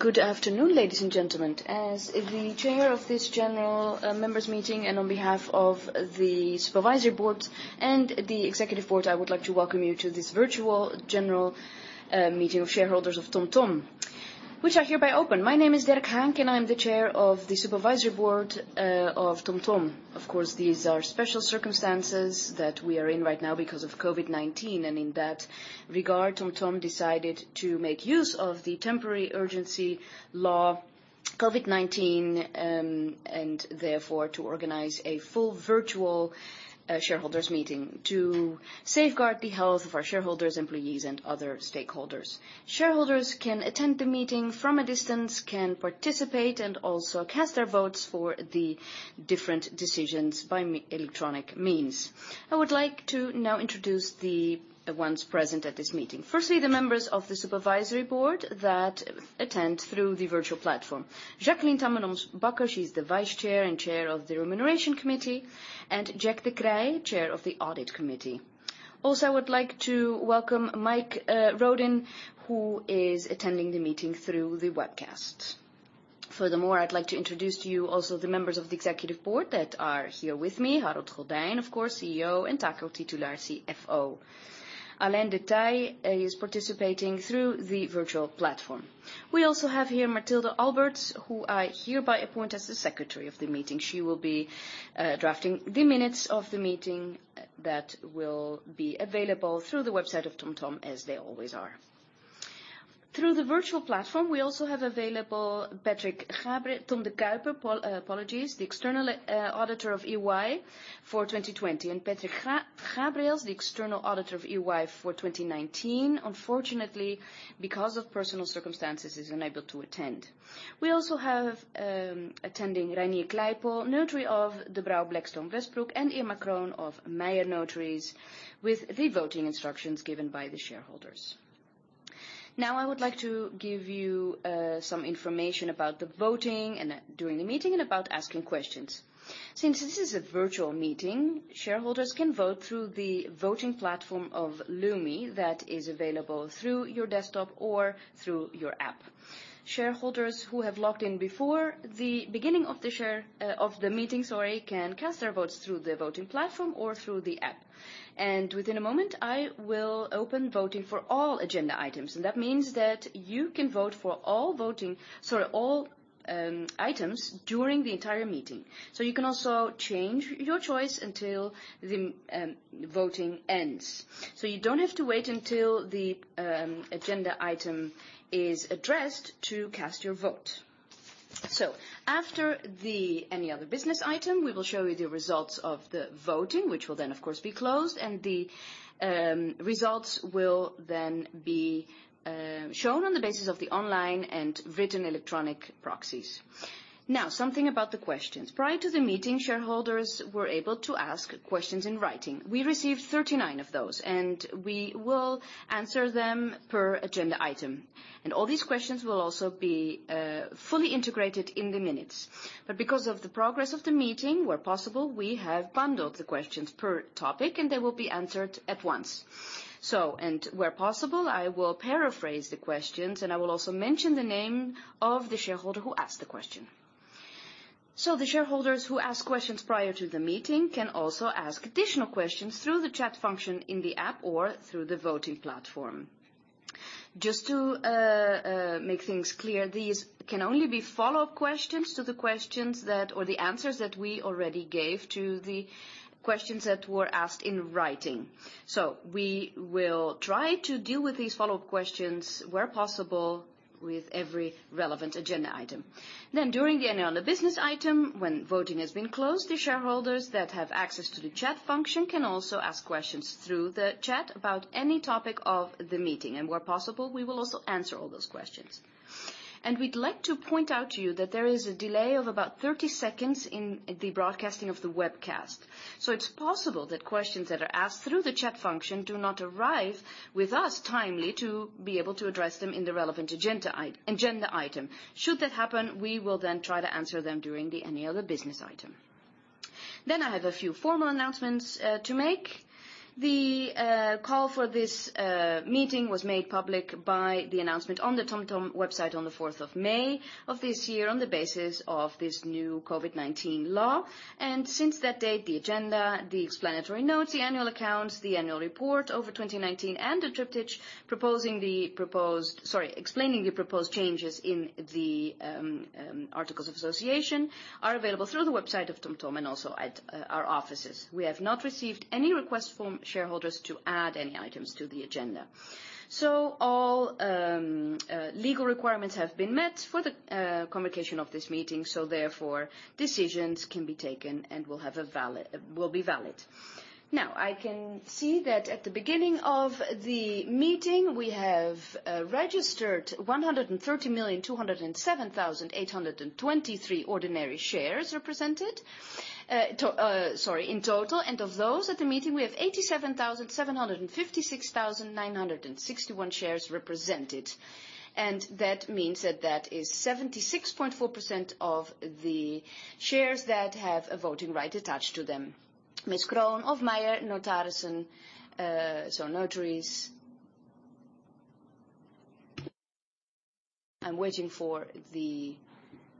Good afternoon, ladies and gentlemen. As the Chair of this General Members Meeting and on behalf of the Supervisory Board and the Executive Board, I would like to welcome you to this Virtual General Meeting of Shareholders of TomTom, which I hereby open. My name is Derk Haank, and I'm the Chair of the Supervisory Board of TomTom. Of course, these are special circumstances that we are in right now because of COVID-19, and in that regard, TomTom decided to make use of the temporary urgency law, COVID-19, and therefore, to organize a full virtual Shareholders' Meeting to safeguard the health of our shareholders, employees, and other stakeholders. Shareholders can attend the meeting from a distance, can participate, and also cast their votes for the different decisions by electronic means. I would like to now introduce the ones present at this meeting. The members of the Supervisory Board that attend through the virtual platform. Jacqueline Tammenoms Bakker, she's the Vice Chair and Chair of the Remuneration Committee, and Jack de Kreij, Chair of the Audit Committee. I would like to welcome Mike Rhodin, who is attending the meeting through the webcast. I'd like to introduce to you also the members of the Executive Board that are here with me, Harold Goddijn, of course, CEO, and Taco Titulaer, CFO. Alain De Taeye is participating through the virtual platform. We also have here Mathilde Alberts, who I hereby appoint as the Secretary of the meeting. She will be drafting the minutes of the meeting that will be available through the website of TomTom as they always are. Through the virtual platform, we also have available Tom de Kuijper, the external auditor of EY for 2020, and Patrick Gabriëls, the external auditor of EY for 2019. Unfortunately, because of personal circumstances, he's unable to attend. We also have attending Reinier Kleipool, notary of De Brauw Blackstone Westbroek, and Irma Kroon of Meijer Notarissen with the voting instructions given by the shareholders. Now, I would like to give you some information about the voting and during the meeting and about asking questions. Since this is a virtual meeting, shareholders can vote through the voting platform of Lumi that is available through your desktop or through your app. Shareholders who have logged in before the beginning of the meeting can cast their votes through the voting platform or through the app. Within a moment, I will open voting for all agenda items. That means that you can vote for all items during the entire meeting. You can also change your choice until the voting ends. You don't have to wait until the agenda item is addressed to cast your vote. After any other business item, we will show you the results of the voting, which will then, of course, be closed, and the results will then be shown on the basis of the online and written electronic proxies. Now, something about the questions. Prior to the meeting, shareholders were able to ask questions in writing. We received 39 of those, and we will answer them per agenda item. All these questions will also be fully integrated in the minutes. Because of the progress of the meeting, where possible, we have bundled the questions per topic, and they will be answered at once. Where possible, I will paraphrase the questions, and I will also mention the name of the shareholder who asked the question. The shareholders who ask questions prior to the meeting can also ask additional questions through the chat function in the app or through the voting platform. Just to make things clear, these can only be follow-up questions to the questions or the answers that we already gave to the questions that were asked in writing. We will try to deal with these follow-up questions, where possible, with every relevant agenda item. During the Annual Business Item, when voting has been closed, the shareholders that have access to the chat function can also ask questions through the chat about any topic of the meeting. Where possible, we will also answer all those questions. We'd like to point out to you that there is a delay of about 30 seconds in the broadcasting of the webcast. It's possible that questions that are asked through the chat function do not arrive with us timely to be able to address them in the relevant agenda item. Should that happen, we will then try to answer them during any other business item. I have a few formal announcements to make. The call for this meeting was made public by the announcement on the TomTom website on the fourth of May of this year on the basis of this new COVID-19 law. Since that date, the agenda, the explanatory notes, the annual accounts, the annual report over 2019, and a triptych explaining the proposed changes in the articles of association are available through the website of TomTom and also at our offices. We have not received any request from shareholders to add any items to the agenda. All legal requirements have been met for the communication of this meeting, therefore, decisions can be taken and will be valid. I can see that at the beginning of the meeting, we have registered 130,207,823 ordinary shares represented in total, and of those at the meeting, we have 87,756,961 shares represented, and that means that that is 76.4% of the shares that have a voting right attached to them. Ms. Kroon of Meijer Notarissen, notaries. I'm waiting for the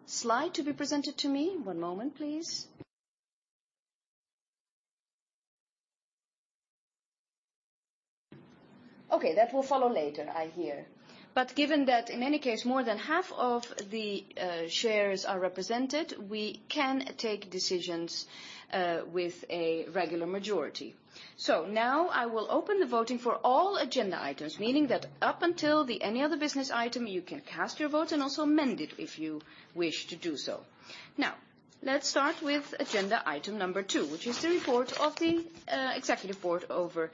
slide to be presented to me. One moment, please. Okay, that will follow later, I hear. Given that in any case, more than half of the shares are represented, we can take decisions with a regular majority. Now I will open the voting for all agenda items, meaning that up until any other business item, you can cast your vote and also amend it if you wish to do so. Let's start with agenda item number two, which is the report of the executive board over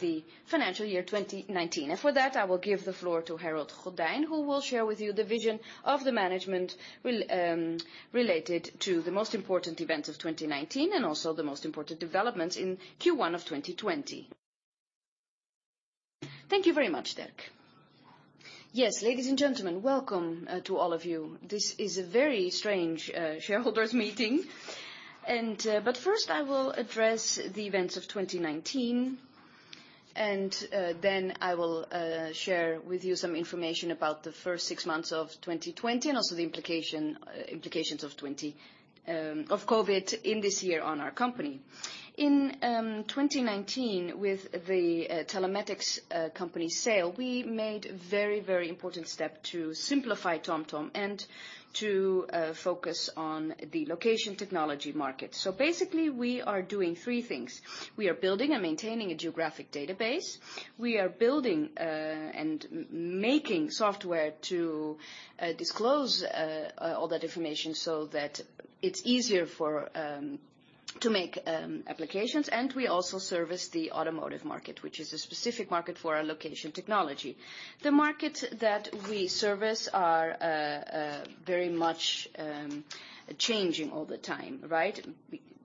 the financial year 2019. For that, I will give the floor to Harold Goddijn, who will share with you the vision of the management related to the most important events of 2019, and also the most important developments in Q1 of 2020. Thank you very much, Derk. Ladies and gentlemen, welcome to all of you. This is a very strange shareholders meeting. First, I will address the events of 2019, and then I will share with you some information about the first six months of 2020 and also the implications of COVID-19 in this year on our company. In 2019, with the Telematics company sale, we made very important step to simplify TomTom and to focus on the location technology market. Basically, we are doing three things. We are building and maintaining a geographic database, we are building and making software to disclose all that information so that it's easier to make applications, and we also service the automotive market, which is a specific market for our location technology. The markets that we service are very much changing all the time, right?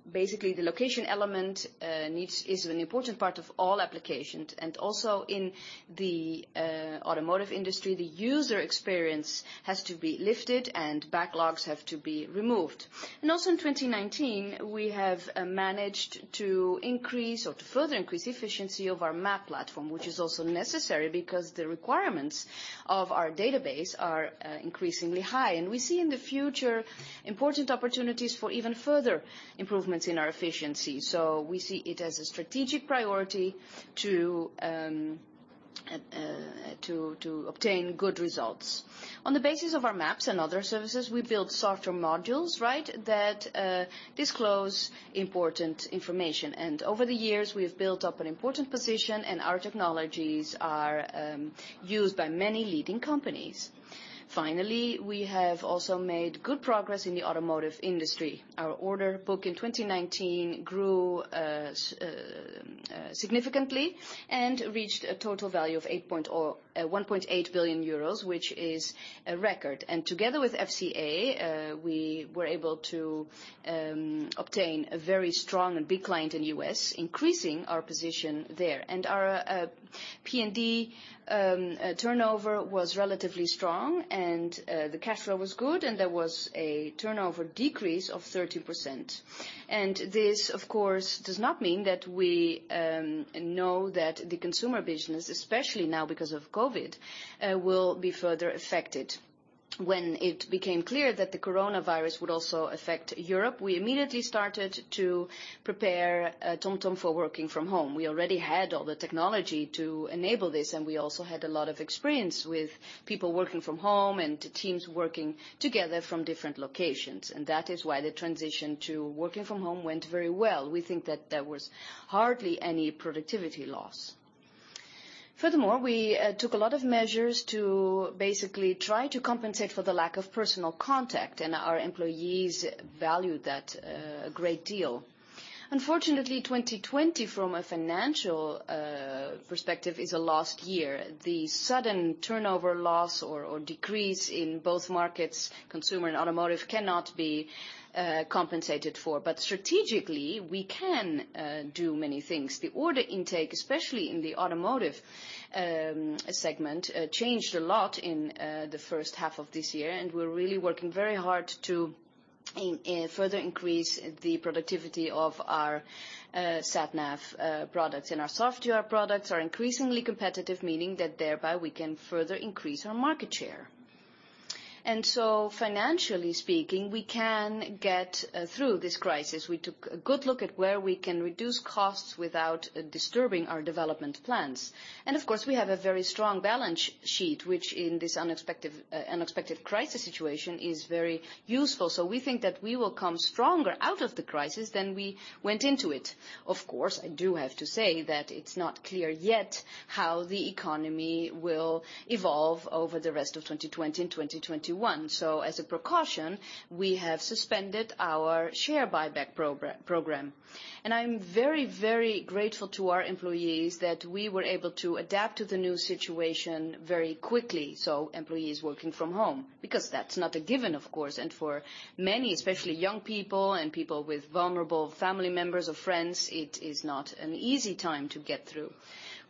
The location element is an important part of all applications, also in the automotive industry, the user experience has to be lifted and backlogs have to be removed. Also in 2019, we have managed to increase or to further increase efficiency of our map platform, which is also necessary because the requirements of our database are increasingly high. We see in the future important opportunities for even further improvements in our efficiency. We see it as a strategic priority to obtain good results. On the basis of our maps and other services, we build software modules, right? That disclose important information. Over the years, we have built up an important position, and our technologies are used by many leading companies. Finally, we have also made good progress in the automotive industry. Our order book in 2019 grew significantly and reached a total value of 1.8 billion euros, which is a record. Together with FCA, we were able to obtain a very strong and big client in U.S., increasing our position there. Our PND turnover was relatively strong, and the cash flow was good, and there was a turnover decrease of 30%. This, of course, does not mean that we know that the consumer business, especially now because of COVID-19, will be further affected. When it became clear that the coronavirus would also affect Europe, we immediately started to prepare TomTom for working from home. We already had all the technology to enable this, and we also had a lot of experience with people working from home and teams working together from different locations. That is why the transition to working from home went very well. We think that there was hardly any productivity loss. Furthermore, we took a lot of measures to basically try to compensate for the lack of personal contact, and our employees valued that a great deal. Unfortunately, 2020 from a financial perspective is a lost year. The sudden turnover loss or decrease in both markets, consumer and automotive, cannot be compensated for. Strategically, we can do many things. The order intake, especially in the automotive segment, changed a lot in the first half of this year, and we're really working very hard to further increase the productivity of our Sat Nav products. Our software products are increasingly competitive, meaning that thereby we can further increase our market share. Financially speaking, we can get through this crisis. We took a good look at where we can reduce costs without disturbing our development plans. Of course, we have a very strong balance sheet, which in this unexpected crisis situation is very useful. We think that we will come stronger out of the crisis than we went into it. Of course, I do have to say that it's not clear yet how the economy will evolve over the rest of 2020 and 2021. As a precaution, we have suspended our share buyback program. I'm very grateful to our employees that we were able to adapt to the new situation very quickly, so employees working from home, because that's not a given, of course. For many, especially young people and people with vulnerable family members or friends, it is not an easy time to get through.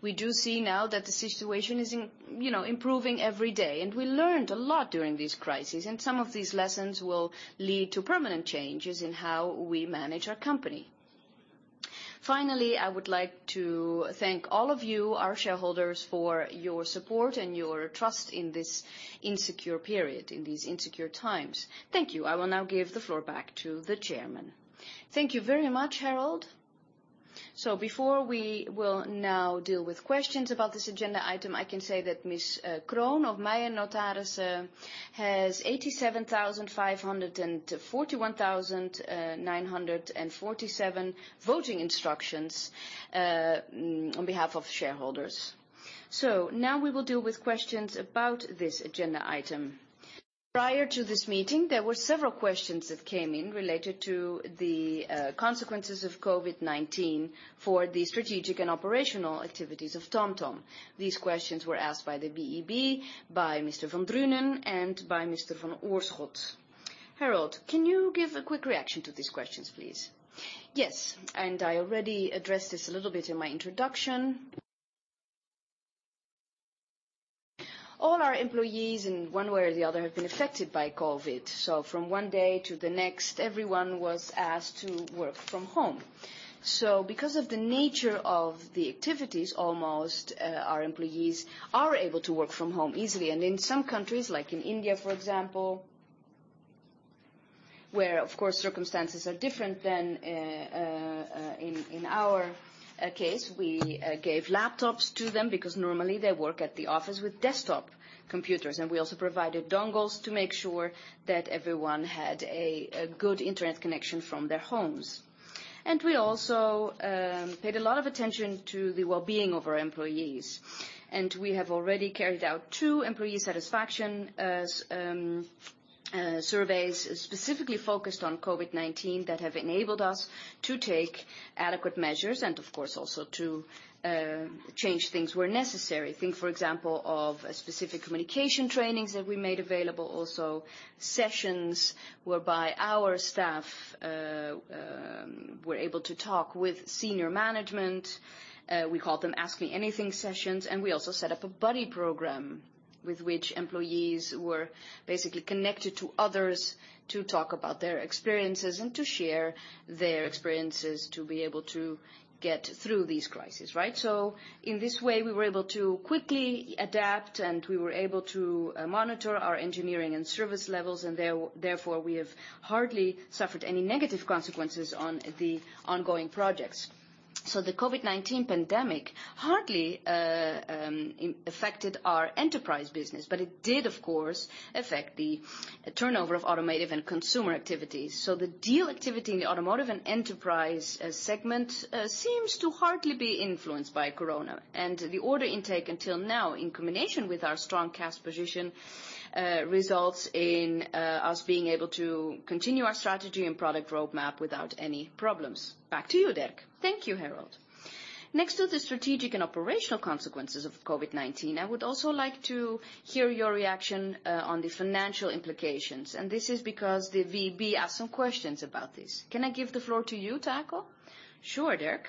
We do see now that the situation is improving every day, and we learned a lot during this crisis, and some of these lessons will lead to permanent changes in how we manage our company. Finally, I would like to thank all of you, our shareholders, for your support and your trust in this insecure period, in these insecure times. Thank you. I will now give the floor back to the chairman. Thank you very much, Harold. Before we will now deal with questions about this agenda item, I can say that Ms. Kroon of Meijer Notarissen has 87,541,947 voting instructions on behalf of shareholders. Now we will deal with questions about this agenda item. Prior to this meeting, there were several questions that came in related to the consequences of COVID-19 for the strategic and operational activities of TomTom. These questions were asked by the VEB, by Mr. Van Drunen, and by Mr. Van Oorschot. Harold, can you give a quick reaction to these questions, please? Yes, I already addressed this a little bit in my introduction. All our employees, in one way or the other, have been affected by COVID. From one day to the next, everyone was asked to work from home. Because of the nature of the activities, almost all our employees are able to work from home easily. In some countries, like in India, for example, where, of course, circumstances are different than in our case, we gave laptops to them because normally they work at the office with desktop computers. We also provided dongles to make sure that everyone had a good internet connection from their homes. We also paid a lot of attention to the well-being of our employees. We have already carried out two employee satisfaction surveys, specifically focused on COVID-19, that have enabled us to take adequate measures and, of course, also to change things where necessary. Think, for example, of specific communication trainings that we made available. Also, sessions whereby our staff were able to talk with senior management. We called them Ask Me Anything sessions, and we also set up a buddy program with which employees were basically connected to others to talk about their experiences and to share their experiences to be able to get through this crisis. Right? In this way, we were able to quickly adapt, and we were able to monitor our engineering and service levels, and therefore, we have hardly suffered any negative consequences on the ongoing projects. The COVID-19 pandemic hardly affected our enterprise business, but it did, of course, affect the turnover of automotive and consumer activities. The deal activity in the automotive and enterprise segment seems to hardly be influenced by COVID-19. The order intake until now, in combination with our strong cash position, results in us being able to continue our strategy and product roadmap without any problems. Back to you, Derk. Thank you, Harold. Next to the strategic and operational consequences of COVID-19, I would also like to hear your reaction on the financial implications, and this is because the VEB asked some questions about this. Can I give the floor to you, Taco? Sure, Derk.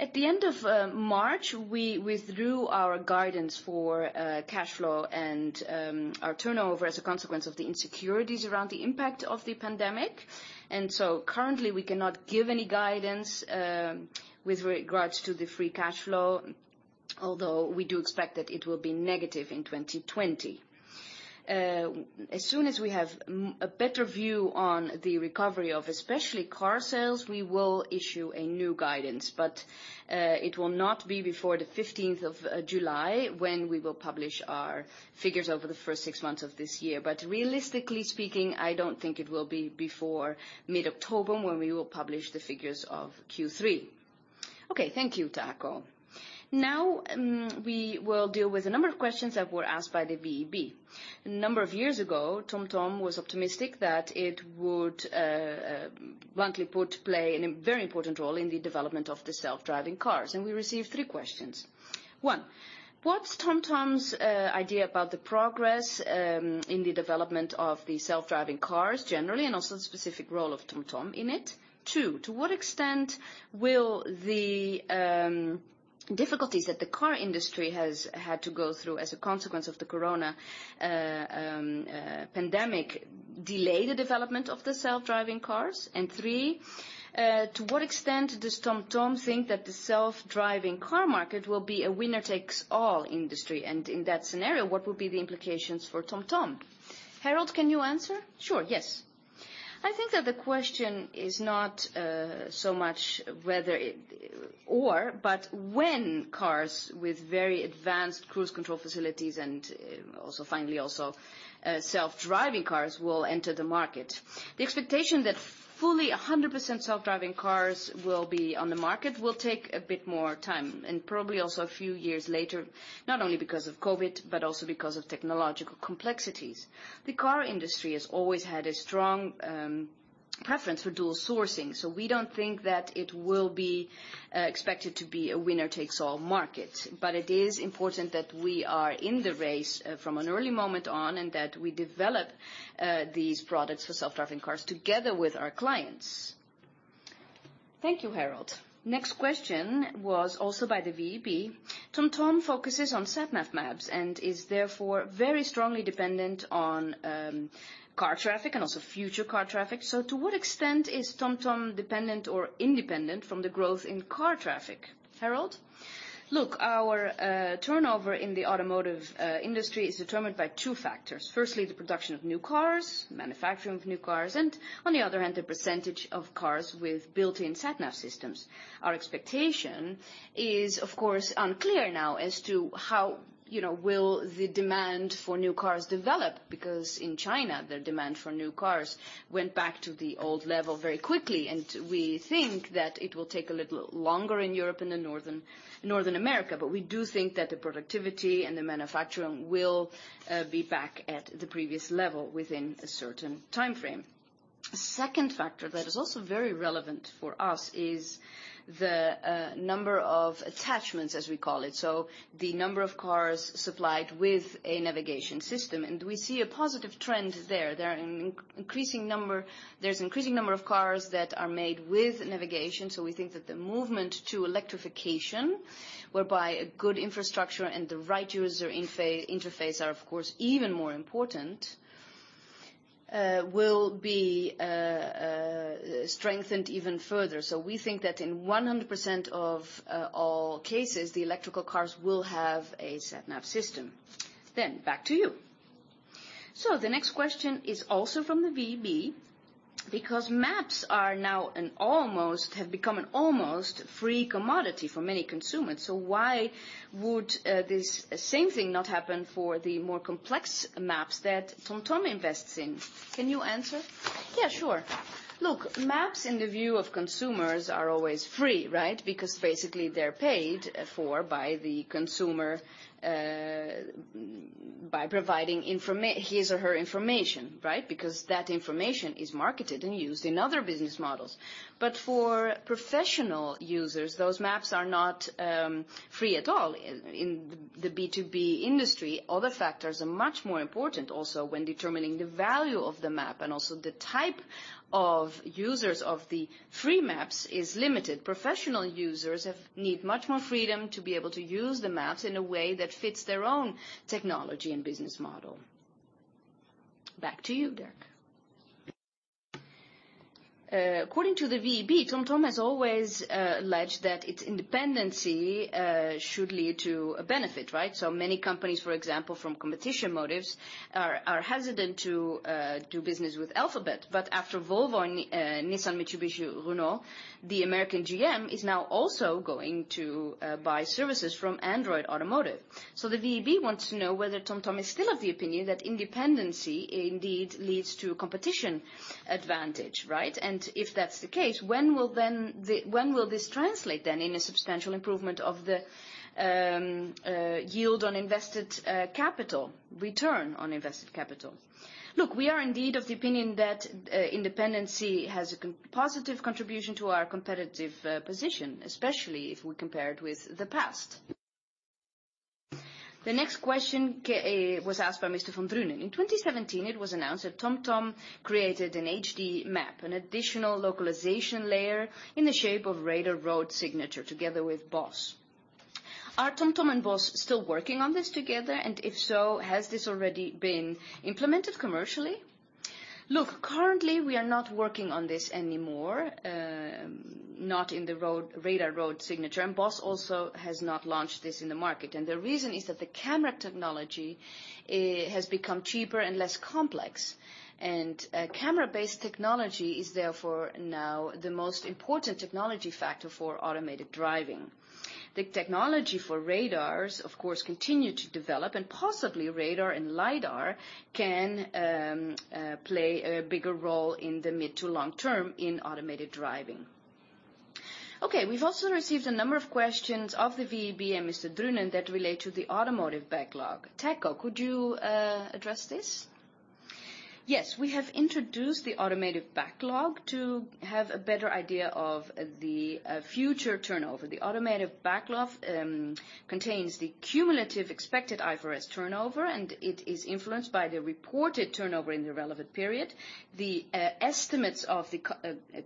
At the end of March, we withdrew our guidance for cash flow and our turnover as a consequence of the insecurities around the impact of the pandemic. Currently, we cannot give any guidance with regards to the free cash flow, although we do expect that it will be negative in 2020. As soon as we have a better view on the recovery of especially car sales, we will issue a new guidance. It will not be before the 15th of July when we will publish our figures over the first six months of this year. Realistically speaking, I don't think it will be before mid-October, when we will publish the figures of Q3. Okay. Thank you, Taco. Now, we will deal with a number of questions that were asked by the VEB. A number of years ago, TomTom was optimistic that it would, bluntly put, play a very important role in the development of the self-driving cars, and we received three questions. One, what's TomTom's idea about the progress in the development of the self-driving cars generally, and also the specific role of TomTom in it? Two, to what extent will the difficulties that the car industry has had to go through as a consequence of the corona pandemic delay the development of the self-driving cars? Three, to what extent does TomTom think that the self-driving car market will be a winner-takes-all industry? In that scenario, what would be the implications for TomTom? Harold, can you answer? Sure, yes. I think that the question is not so much whether or, but when cars with very advanced cruise control facilities and also finally, self-driving cars will enter the market. The expectation that fully 100% self-driving cars will be on the market will take a bit more time, and probably also a few years later, not only because of COVID, but also because of technological complexities. The car industry has always had a strong preference for dual sourcing. We don't think that it will be expected to be a winner-takes-all market. It is important that we are in the race from an early moment on, that we develop these products for self-driving cars together with our clients. Thank you, Harold. Next question was also by the VEB. TomTom focuses on sat nav maps and is therefore very strongly dependent on car traffic and also future car traffic. To what extent is TomTom dependent or independent from the growth in car traffic? Harold? Look, our turnover in the automotive industry is determined by two factors. The production of new cars, manufacturing of new cars, and on the other hand, the percentage of cars with built-in Sat Nav systems. Our expectation is, of course, unclear now as to how will the demand for new cars develop, because in China, the demand for new cars went back to the old level very quickly, and we think that it will take a little longer in Europe and in North America. We do think that the productivity and the manufacturing will be back at the previous level within a certain time frame. Second factor that is also very relevant for us is the number of attachments, as we call it. The number of cars supplied with a navigation system, and we see a positive trend there. There's increasing number of cars that are made with navigation. We think that the movement to electrification, whereby a good infrastructure and the right user interface are, of course, even more important, will be strengthened even further. We think that in 100% of all cases, the electrical cars will have a Sat Nav system. Back to you. The next question is also from the VEB. Because maps have become an almost free commodity for many consumers, so why would this same thing not happen for the more complex maps that TomTom invests in? Can you answer? Yeah, sure. Look, maps in the view of consumers are always free, right? Because basically, they're paid for by the consumer by providing his or her information, right? Because that information is marketed and used in other business models. But for professional users, those maps are not free at all. In the B2B industry, other factors are much more important also when determining the value of the map, and also the type of users of the free maps is limited. Professional users need much more freedom to be able to use the maps in a way that fits their own technology and business model. Back to you, Derk. According to the VEB, TomTom has always alleged that its independency should lead to a benefit, right? Many companies, for example, from competition motives, are hesitant to do business with Alphabet. After Volvo and Nissan, Mitsubishi, Renault, the American GM is now also going to buy services from Android Automotive. The VEB wants to know whether TomTom is still of the opinion that independency indeed leads to competition advantage, right? If that's the case, when will this translate then in a substantial improvement of the yield on invested capital, return on invested capital? Look, we are indeed of the opinion that independency has a positive contribution to our competitive position, especially if we compare it with the past. The next question was asked by Mr. Van Drunen. In 2017, it was announced that TomTom created an HD Map, an additional localization layer in the shape of Radar Road Signature, together with Bosch. Are TomTom and Bosch still working on this together? If so, has this already been implemented commercially? Look, currently, we are not working on this anymore, not in the Radar Road Signature, and Bosch also has not launched this in the market. The reason is that the camera technology has become cheaper and less complex, and camera-based technology is therefore now the most important technology factor for automated driving. The technology for radars, of course, continue to develop, and possibly LiDAR can play a bigger role in the mid to long term in automated driving. Okay, we've also received a number of questions of the VEB and Mr. Van Drunen that relate to the automotive backlog. Taco, could you address this? Yes, we have introduced the automotive backlog to have a better idea of the future turnover. The automotive backlog contains the cumulative expected IFRS turnover, and it is influenced by the reported turnover in the relevant period, the estimates of the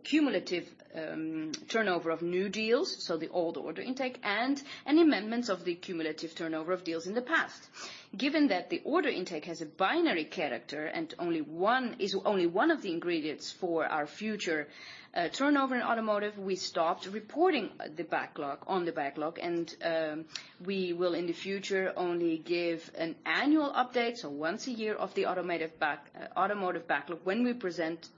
cumulative turnover of new deals, so the old order intake, and amendments of the cumulative turnover of deals in the past. Given that the order intake has a binary character and is only one of the ingredients for our future turnover in automotive, we stopped reporting on the backlog, and we will, in the future, only give an annual update, so once a year, of the automotive backlog when we present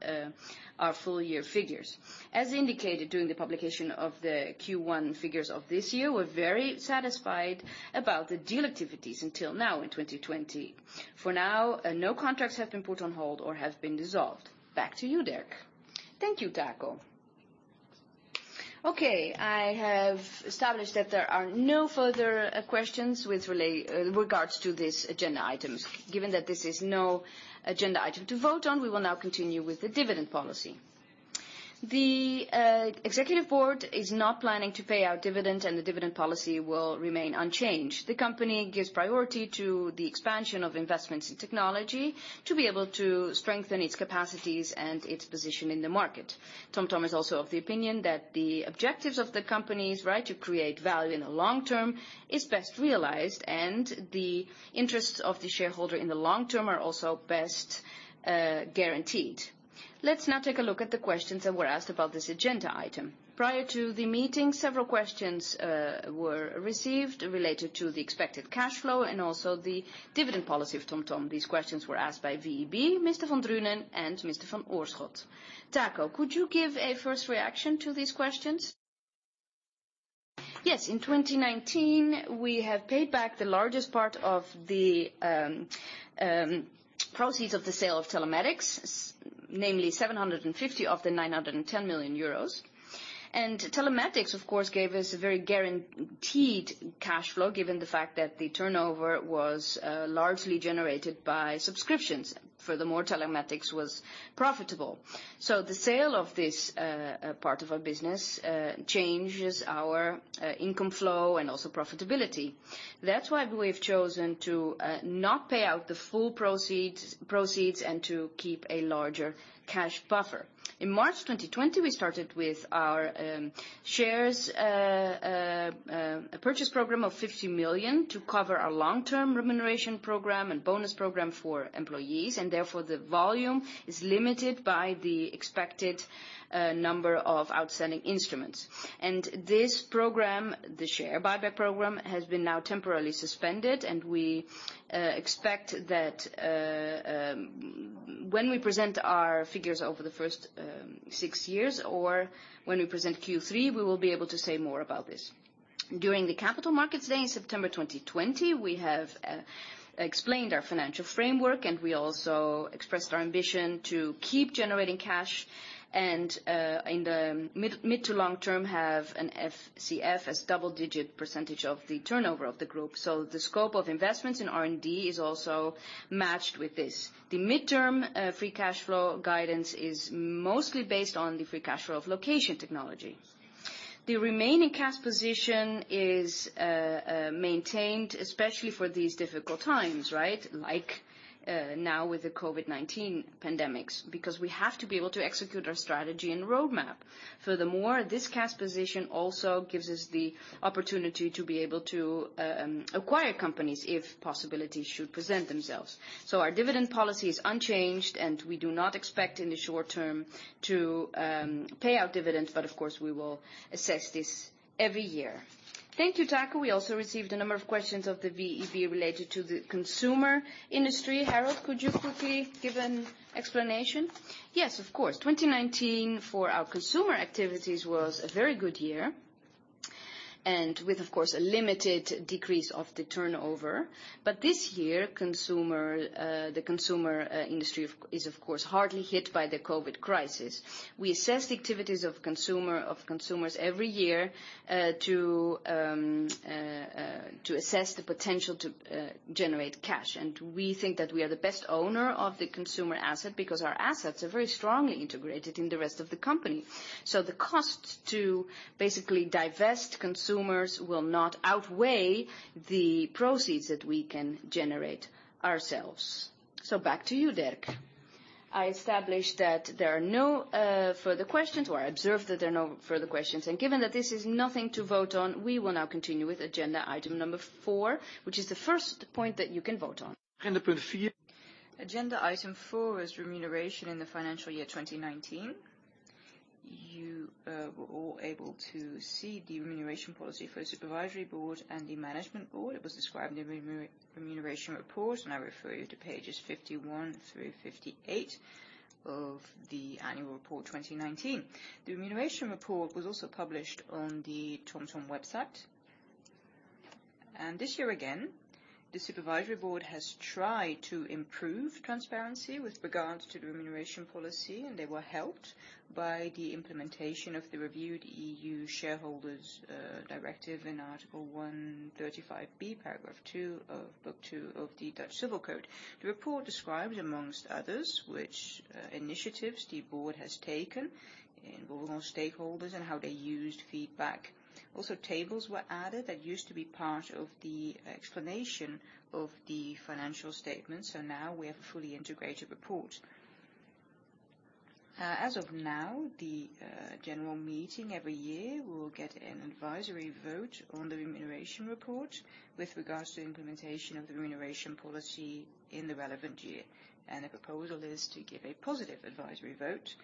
our full-year figures. As indicated during the publication of the Q1 figures of this year, we're very satisfied about the deal activities until now in 2020. No contracts have been put on hold or have been dissolved. Back to you, Derk. Thank you, Taco. I have established that there are no further questions with regards to these agenda items. Given that this is no agenda item to vote on, we will now continue with the dividend policy. The executive board is not planning to pay out dividends, and the dividend policy will remain unchanged. The company gives priority to the expansion of investments in technology to be able to strengthen its capacities and its position in the market. TomTom is also of the opinion that the objectives of the companies, to create value in the long term, is best realized, and the interests of the shareholder in the long term are also best guaranteed. Let's now take a look at the questions that were asked about this agenda item. Prior to the meeting, several questions were received related to the expected cash flow and also the dividend policy of TomTom. These questions were asked by VEB, Mr. Van Drunen, and Mr. Van Oorschot. Taco, could you give a first reaction to these questions? Yes. In 2019, we have paid back the largest part of the proceeds of the sale of Telematics, namely 750 million of the 910 million euros. Telematics, of course, gave us a very guaranteed cash flow, given the fact that the turnover was largely generated by subscriptions. Furthermore, Telematics was profitable. The sale of this part of our business changes our income flow and also profitability. That's why we've chosen to not pay out the full proceeds and to keep a larger cash buffer. In March 2020, we started with our shares, a purchase program of 50 million to cover our long-term remuneration program and bonus program for employees. Therefore, the volume is limited by the expected number of outstanding instruments. This program, the share buyback program, has been now temporarily suspended. We expect that when we present our figures over the first six years, or when we present Q3, we will be able to say more about this. During the Capital Markets Day in September 2020, we have explained our financial framework, we also expressed our ambition to keep generating cash and, in the mid to long term, have an FCF as double-digit percentage of the turnover of the group. The scope of investments in R&D is also matched with this. The midterm free cash flow guidance is mostly based on the free cash flow of location technology. The remaining cash position is maintained, especially for these difficult times, like now with the COVID-19 pandemic, because we have to be able to execute our strategy and roadmap. This cash position also gives us the opportunity to be able to acquire companies if possibilities should present themselves. Our dividend policy is unchanged, we do not expect in the short term to pay out dividends, but of course, we will assess this every year. Thank you, Taco. We also received a number of questions of the VEB related to the consumer industry. Harold, could you quickly give an explanation? Yes, of course. 2019 for our consumer activities was a very good year and with, of course, a limited decrease of the turnover. This year, the consumer industry is, of course, hardly hit by the COVID crisis. We assess the activities of consumers every year to assess the potential to generate cash. We think that we are the best owner of the consumer asset because our assets are very strongly integrated in the rest of the company. The cost to basically divest consumers will not outweigh the proceeds that we can generate ourselves. Back to you, Derk. I established that there are no further questions, or I observed that there are no further questions. Given that this is nothing to vote on, we will now continue with agenda item number three, which is the first point that you can vote on. Agenda item four is remuneration in the financial year 2019. You were all able to see the remuneration policy for the supervisory board and the management board. It was described in the remuneration report. I refer you to pages 51 through 58 of the annual report 2019. The remuneration report was also published on the TomTom website. This year again, the supervisory board has tried to improve transparency with regards to the remuneration policy, and they were helped by the implementation of the reviewed EU Shareholders Directive in Article 2:135b, Paragraph 2 of Book 2 of the Dutch Civil Code. The report describes, amongst others, which initiatives the board has taken in involving stakeholders and how they used feedback. Also, tables were added that used to be part of the explanation of the financial statements. Now we have a fully integrated report. As of now, the general meeting every year will get an advisory vote on the remuneration report with regards to implementation of the remuneration policy in the relevant year, and the proposal is to give a positive advisory vote.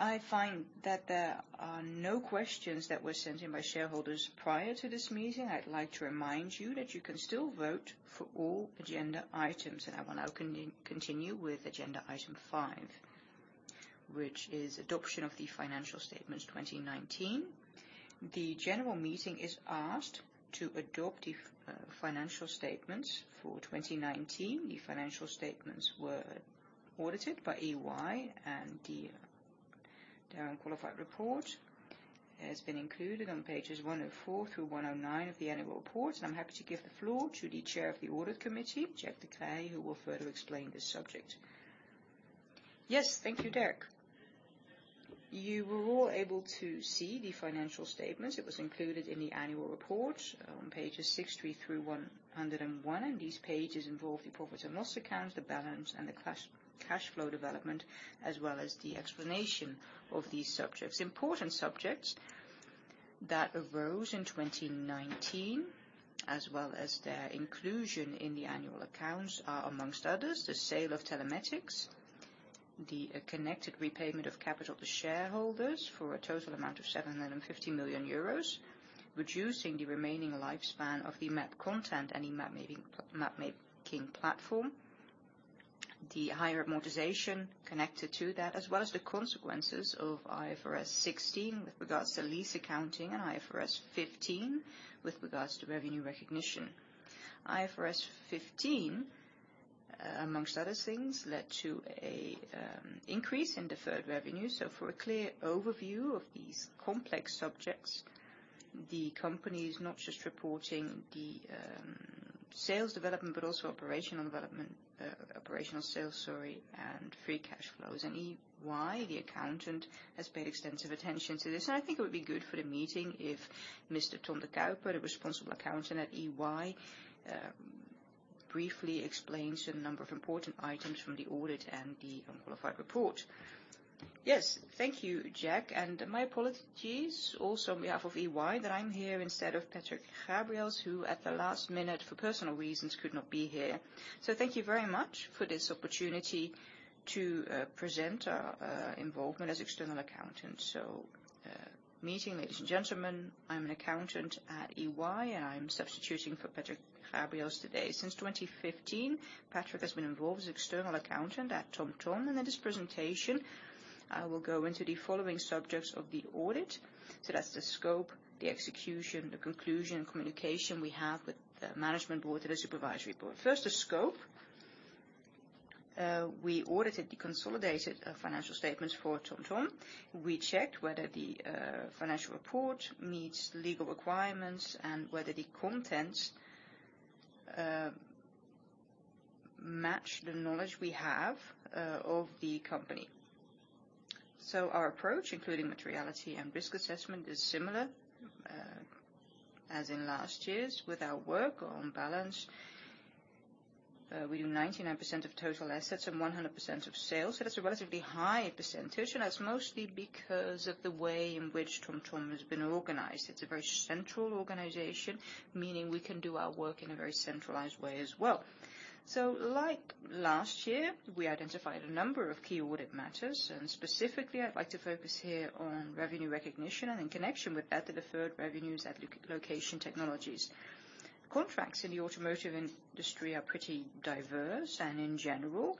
I find that there are no questions that were sent in by shareholders prior to this meeting. I'd like to remind you that you can still vote for all agenda items, and I will now continue with agenda item five, which is adoption of the financial statements 2019. The General Meeting is asked to adopt the financial statements for 2019. The financial statements were audited by EY, and their unqualified report has been included on pages 104 through 109 of the annual report. I'm happy to give the floor to the Chair of the Audit Committee, Jack de Kreij, who will further explain this subject. Yes. Thank you, Derk. You were all able to see the financial statements. It was included in the annual report on pages 63 through 101. These pages involve the profit and loss account, the balance, and the cash flow development, as well as the explanation of these subjects. Important subjects that arose in 2019, as well as their inclusion in the annual accounts are, amongst others, the sale of Telematics, the connected repayment of capital to shareholders for a total amount of 750 million euros, reducing the remaining lifespan of the map content and the map-making platform, the higher amortization connected to that, as well as the consequences of IFRS 16 with regards to lease accounting and IFRS 15 with regards to revenue recognition. IFRS 15, amongst other things, led to an increase in deferred revenue. For a clear overview of these complex subjects, the company is not just reporting the sales development, but also operational sales, and free cash flows. EY, the accountant, has paid extensive attention to this, and I think it would be good for the meeting if Mr. Tom de Kuijper, the responsible accountant at EY, briefly explains a number of important items from the audit and the unqualified report. Yes. Thank you, Jack, and my apologies also on behalf of EY that I'm here instead of Patrick Gabriëls, who at the last minute, for personal reasons, could not be here. Thank you very much for this opportunity to present our involvement as external accountants. Meeting, ladies and gentlemen, I'm an accountant at EY, and I'm substituting for Patrick Gabriëls today. Since 2015, Patrick has been involved as external accountant at TomTom, and in this presentation, I will go into the following subjects of the audit. That's the scope, the execution, the conclusion, communication we have with the management board and the supervisory board. First, the scope. We audited the consolidated financial statements for TomTom. We checked whether the financial report meets the legal requirements and whether the contents match the knowledge we have of the company. Our approach, including materiality and risk assessment, is similar as in last year's. With our work on balance, we do 99% of total assets and 100% of sales. That's a relatively high percentage, and that's mostly because of the way in which TomTom has been organized. It's a very central organization, meaning we can do our work in a very centralized way as well. Like last year, we identified a number of key audit matters, and specifically, I'd like to focus here on revenue recognition and in connection with that, the deferred revenues at location technologies. Contracts in the automotive industry are pretty diverse and in general,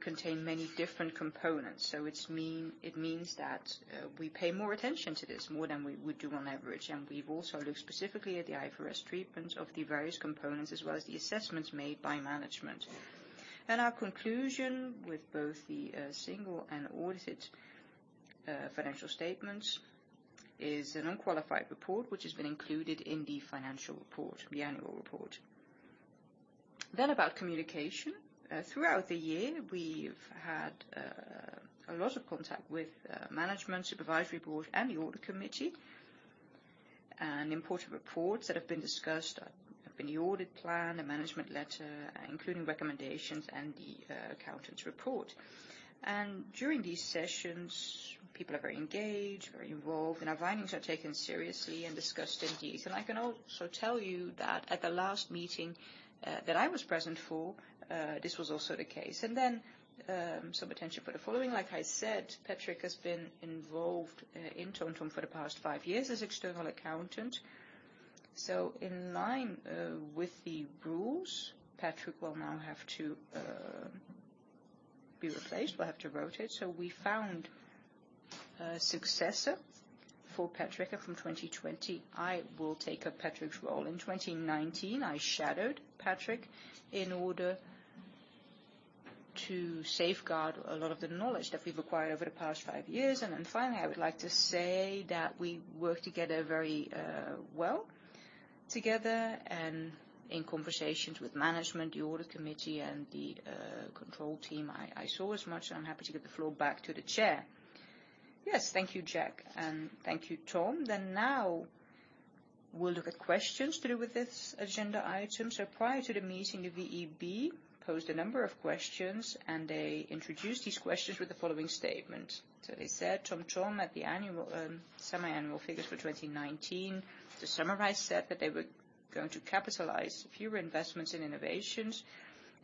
contain many different components. It means that we pay more attention to this, more than we would do on average. We've also looked specifically at the IFRS treatment of the various components, as well as the assessments made by management. Our conclusion with both the single and audited financial statements is an unqualified report, which has been included in the financial report, the annual report. About communication. Throughout the year, we've had a lot of contact with management, Supervisory Board, and the Audit Committee. Important reports that have been discussed have been the audit plan, the management letter, including recommendations and the accountant's report. During these sessions, people are very engaged, very involved. Our findings are taken seriously and discussed in depth. I can also tell you that at the last meeting that I was present for, this was also the case. Then some attention for the following. Like I said, Patrick has been involved in TomTom for the past five years as external accountant. In line with the rules, Patrick will now have to be replaced. We'll have to rotate. We found a successor for Patrick. From 2020, I will take up Patrick's role. In 2019, I shadowed Patrick in order to safeguard a lot of the knowledge that we've acquired over the past five years. Finally, I would like to say that we work very well together and in conversations with management, the audit committee, and the control team, I saw as much, and I'm happy to give the floor back to the Chair. Yes. Thank you, Jack, and thank you, Tom. Now we'll look at questions to do with this agenda item. Prior to the meeting, the VEB posed a number of questions, and they introduced these questions with the following statement. They said, TomTom, at the semi-annual figures for 2019, the summarized said that they were going to capitalize fewer investments in innovations,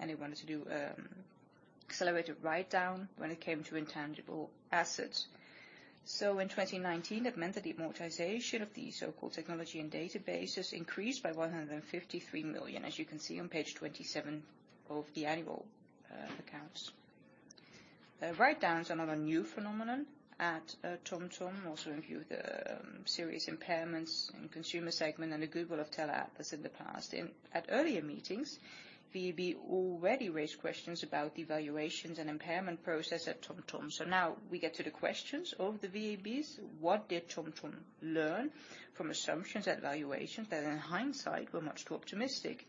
and they wanted to do accelerated write-down when it came to intangible assets. In 2019, that meant that the amortization of the so-called technology and databases increased by 153 million, as you can see on page 27 of the annual accounts. Write-down is another new phenomenon at TomTom, also in view of the serious impairments in consumer segment and the goodwill of Tele Atlas in the past. At earlier meetings, VEB already raised questions about the valuations and impairment process at TomTom. Now we get to the questions of the VEBs. What did TomTom learn from assumptions at valuations that, in hindsight, were much too optimistic?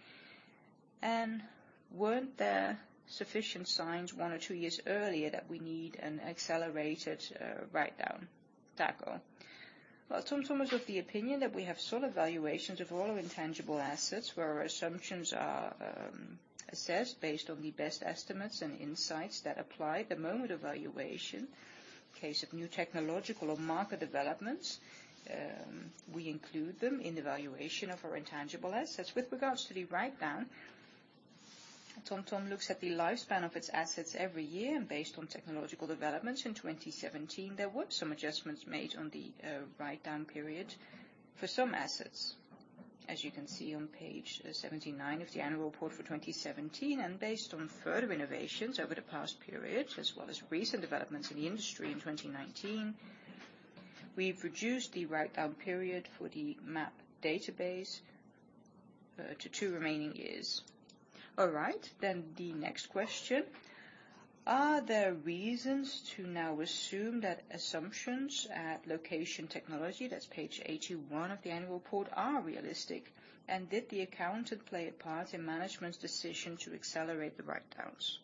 Weren't there sufficient signs one or two years earlier that we need an accelerated write-down? Well, TomTom was of the opinion that we have solid valuations of all our intangible assets, where our assumptions are assessed based on the best estimates and insights that apply at the moment of valuation. Case of new technological or market developments, we include them in the evaluation of our intangible assets. With regards to the write-down, TomTom looks at the lifespan of its assets every year and based on technological developments in 2017, there were some adjustments made on the write-down period for some assets. As you can see on page 79 of the annual report for 2017, and based on further innovations over the past period, as well as recent developments in the industry in 2019, we've reduced the write-down period for the map database to two remaining years. All right, the next question. Are there reasons to now assume that assumptions at Location Technology, that's page 81 of the annual report, are realistic? Did the accountant play a part in management's decision to accelerate the write-downs?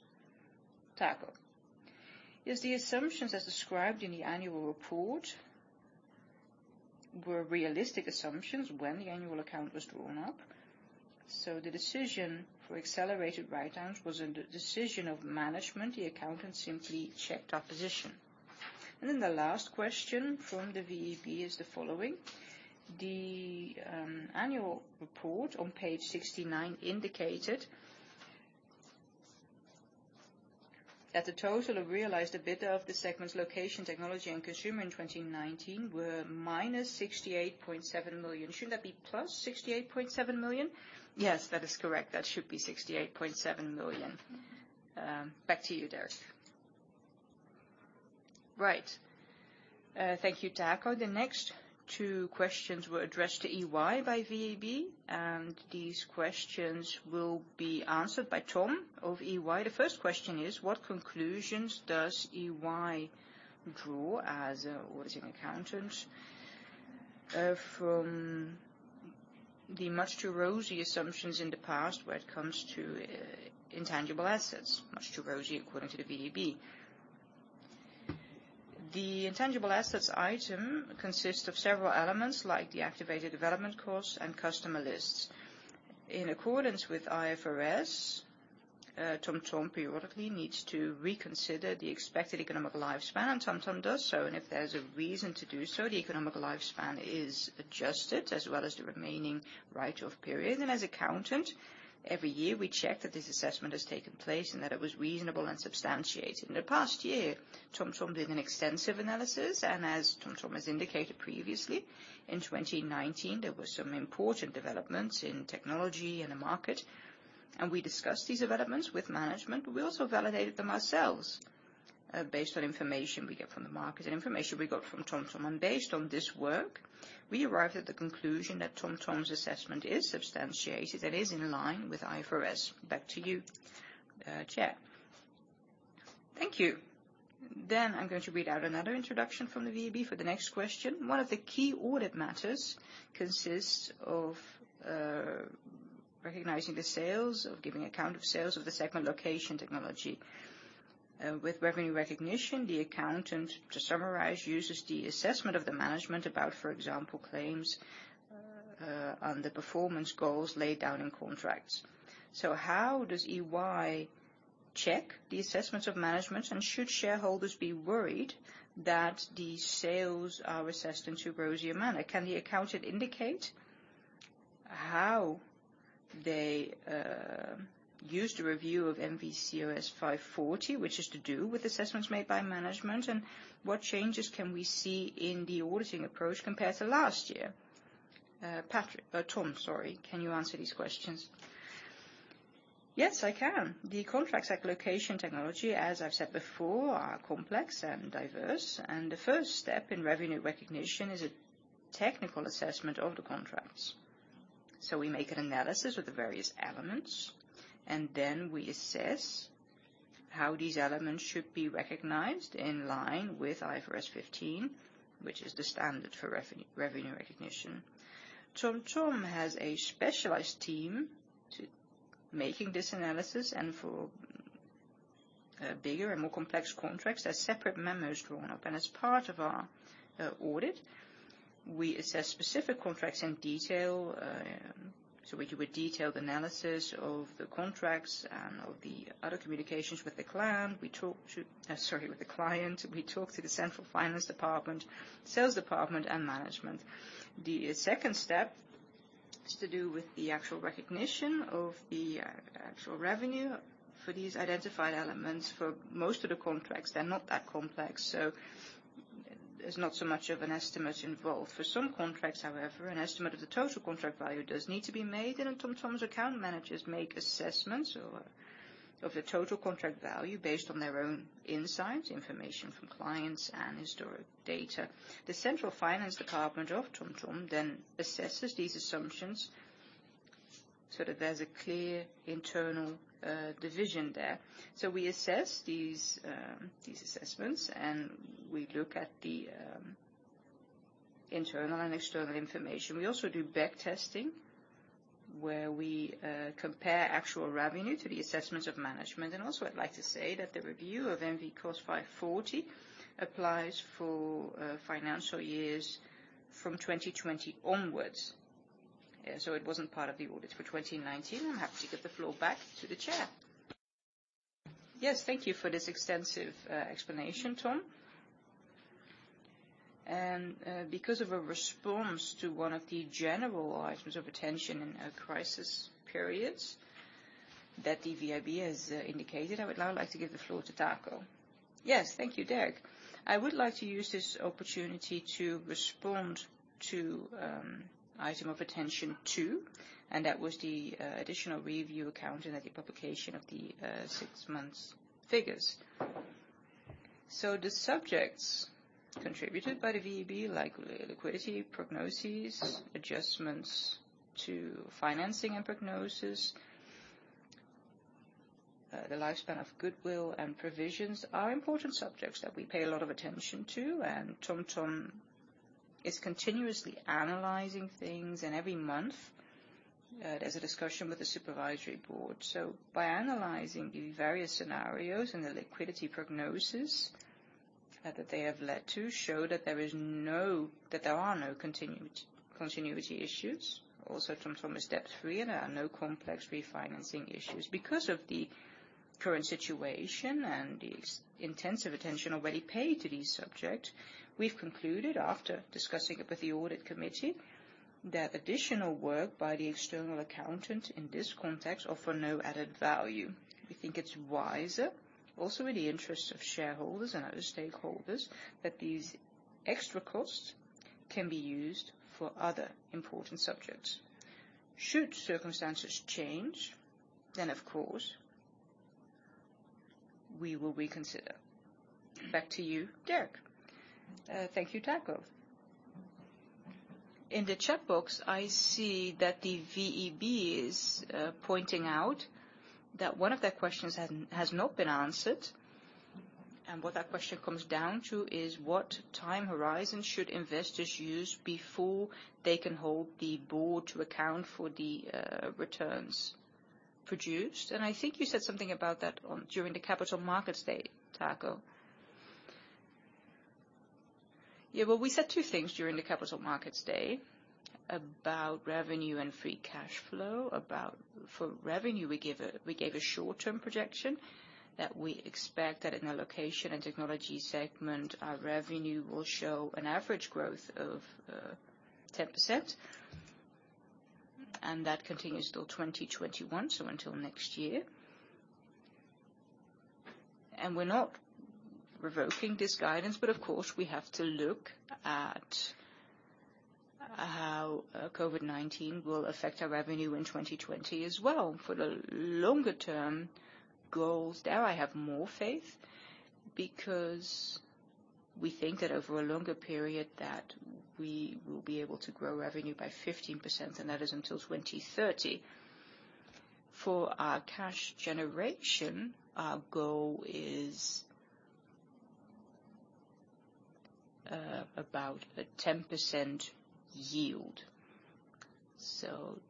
Taco. Yes, the assumptions as described in the annual report were realistic assumptions when the annual account was drawn up. The decision for accelerated write-downs was a decision of management. The accountant simply checked our position. The last question from the VEB is the following. The annual report on page 69 indicated that the total of realized EBITDA of the segments Location Technology and Consumer in 2019 were -68.7 million. Shouldn't that be +68.7 million? Yes, that is correct. That should be 68.7 million. Back to you, Derk. Right. Thank you, Taco. The next two questions were addressed to EY by VEB, and these questions will be answered by Tom of EY. The first question is, what conclusions does EY draw as an auditing accountant from the much too rosy assumptions in the past when it comes to intangible assets? Much too rosy, according to the VEB. The intangible assets item consists of several elements like the activated development costs and customer lists. In accordance with IFRS, TomTom periodically needs to reconsider the expected economic lifespan. TomTom does so, and if there's a reason to do so, the economic lifespan is adjusted, as well as the remaining write-off period. As accountant, every year, we check that this assessment has taken place and that it was reasonable and substantiated. In the past year, TomTom did an extensive analysis. As TomTom has indicated previously, in 2019, there were some important developments in technology and the market. We discussed these developments with management. We also validated them ourselves based on information we get from the market and information we got from TomTom. Based on this work, we arrived at the conclusion that TomTom's assessment is substantiated and is in line with IFRS. Back to you, Chair. Thank you. I'm going to read out another introduction from the VEB for the next question. One of the key audit matters consists of recognizing the sales, of giving account of sales of the segment location technology. With revenue recognition, the accountant, to summarize, uses the assessment of the management about, for example, claims on the performance goals laid out in contracts. How does EY check the assessments of management, and should shareholders be worried that the sales are assessed in too rosy a manner? Can the accountant indicate how they use the review of NV COS 540, which is to do with assessments made by management, and what changes can we see in the auditing approach compared to last year? Tom, can you answer these questions? Yes, I can. The contracts at location technology, as I've said before, are complex and diverse, and the first step in revenue recognition is a technical assessment of the contracts. We make an analysis of the various elements, and then we assess how these elements should be recognized in line with IFRS 15, which is the standard for revenue recognition. TomTom has a specialized team to making this analysis, and for bigger and more complex contracts, there are separate memos drawn up. As part of our audit, we assess specific contracts in detail. We do a detailed analysis of the contracts and of the other communications with the client. We talk to the central finance department, sales department, and management. The second step is to do with the actual recognition of the actual revenue for these identified elements. For most of the contracts, they're not that complex, so there's not so much of an estimate involved. For some contracts, however, an estimate of the total contract value does need to be made, and TomTom's account managers make assessments of the total contract value based on their own insights, information from clients, and historic data. The central finance department of TomTom then assesses these assumptions so that there's a clear internal division there. We assess these assessments, and we look at the internal and external information. We also do back testing, where we compare actual revenue to the assessments of management. I'd like to say that the review of NV COS 540 applies for financial years from 2020 onwards. So it wasn't part of the audit for 2019. I'm happy to give the floor back to the Chair. Yes, thank you for this extensive explanation, Tom. Because of a response to one of the general items of attention in crisis periods that the VEB has indicated, I would now like to give the floor to Taco. Yes. Thank you, Derk. I would like to use this opportunity to respond to item of attention two, that was the additional review accounting at the publication of the six months figures. The subjects contributed by the VEB, like liquidity prognosis, adjustments to financing and prognosis, the lifespan of goodwill and provisions are important subjects that we pay a lot of attention to, and TomTom is continuously analyzing things, and every month, there's a discussion with the Supervisory Board. By analyzing the various scenarios and the liquidity prognosis that they have led to show that there are no continuity issues. Also, TomTom is debt-free, and there are no complex refinancing issues. Because of the current situation and the intensive attention already paid to these subjects, we've concluded, after discussing it with the Audit Committee, that additional work by the external accountant in this context offer no added value. We think it's wiser, also in the interest of shareholders and other stakeholders, that these extra costs can be used for other important subjects. Should circumstances change, then, of course, we will reconsider. Back to you, Derk. Thank you, Taco. In the chat box, I see that the VEB is pointing out that one of their questions has not been answered. What that question comes down to is what time horizon should investors use before they can hold the board to account for the returns produced. I think you said something about that during the Capital Markets Day, Taco. Yeah. Well, we said two things during the Capital Markets Day about revenue and free cash flow. For revenue, we gave a short-term projection that we expect that in our location and technology segment, our revenue will show an average growth of 10%. That continues till 2021, until next year. We're not revoking this guidance, but of course, we have to look at how COVID-19 will affect our revenue in 2020 as well. For the longer-term goals, there I have more faith because we think that over a longer period that we will be able to grow revenue by 15%, and that is until 2030. For our cash generation, our goal is about a 10% yield.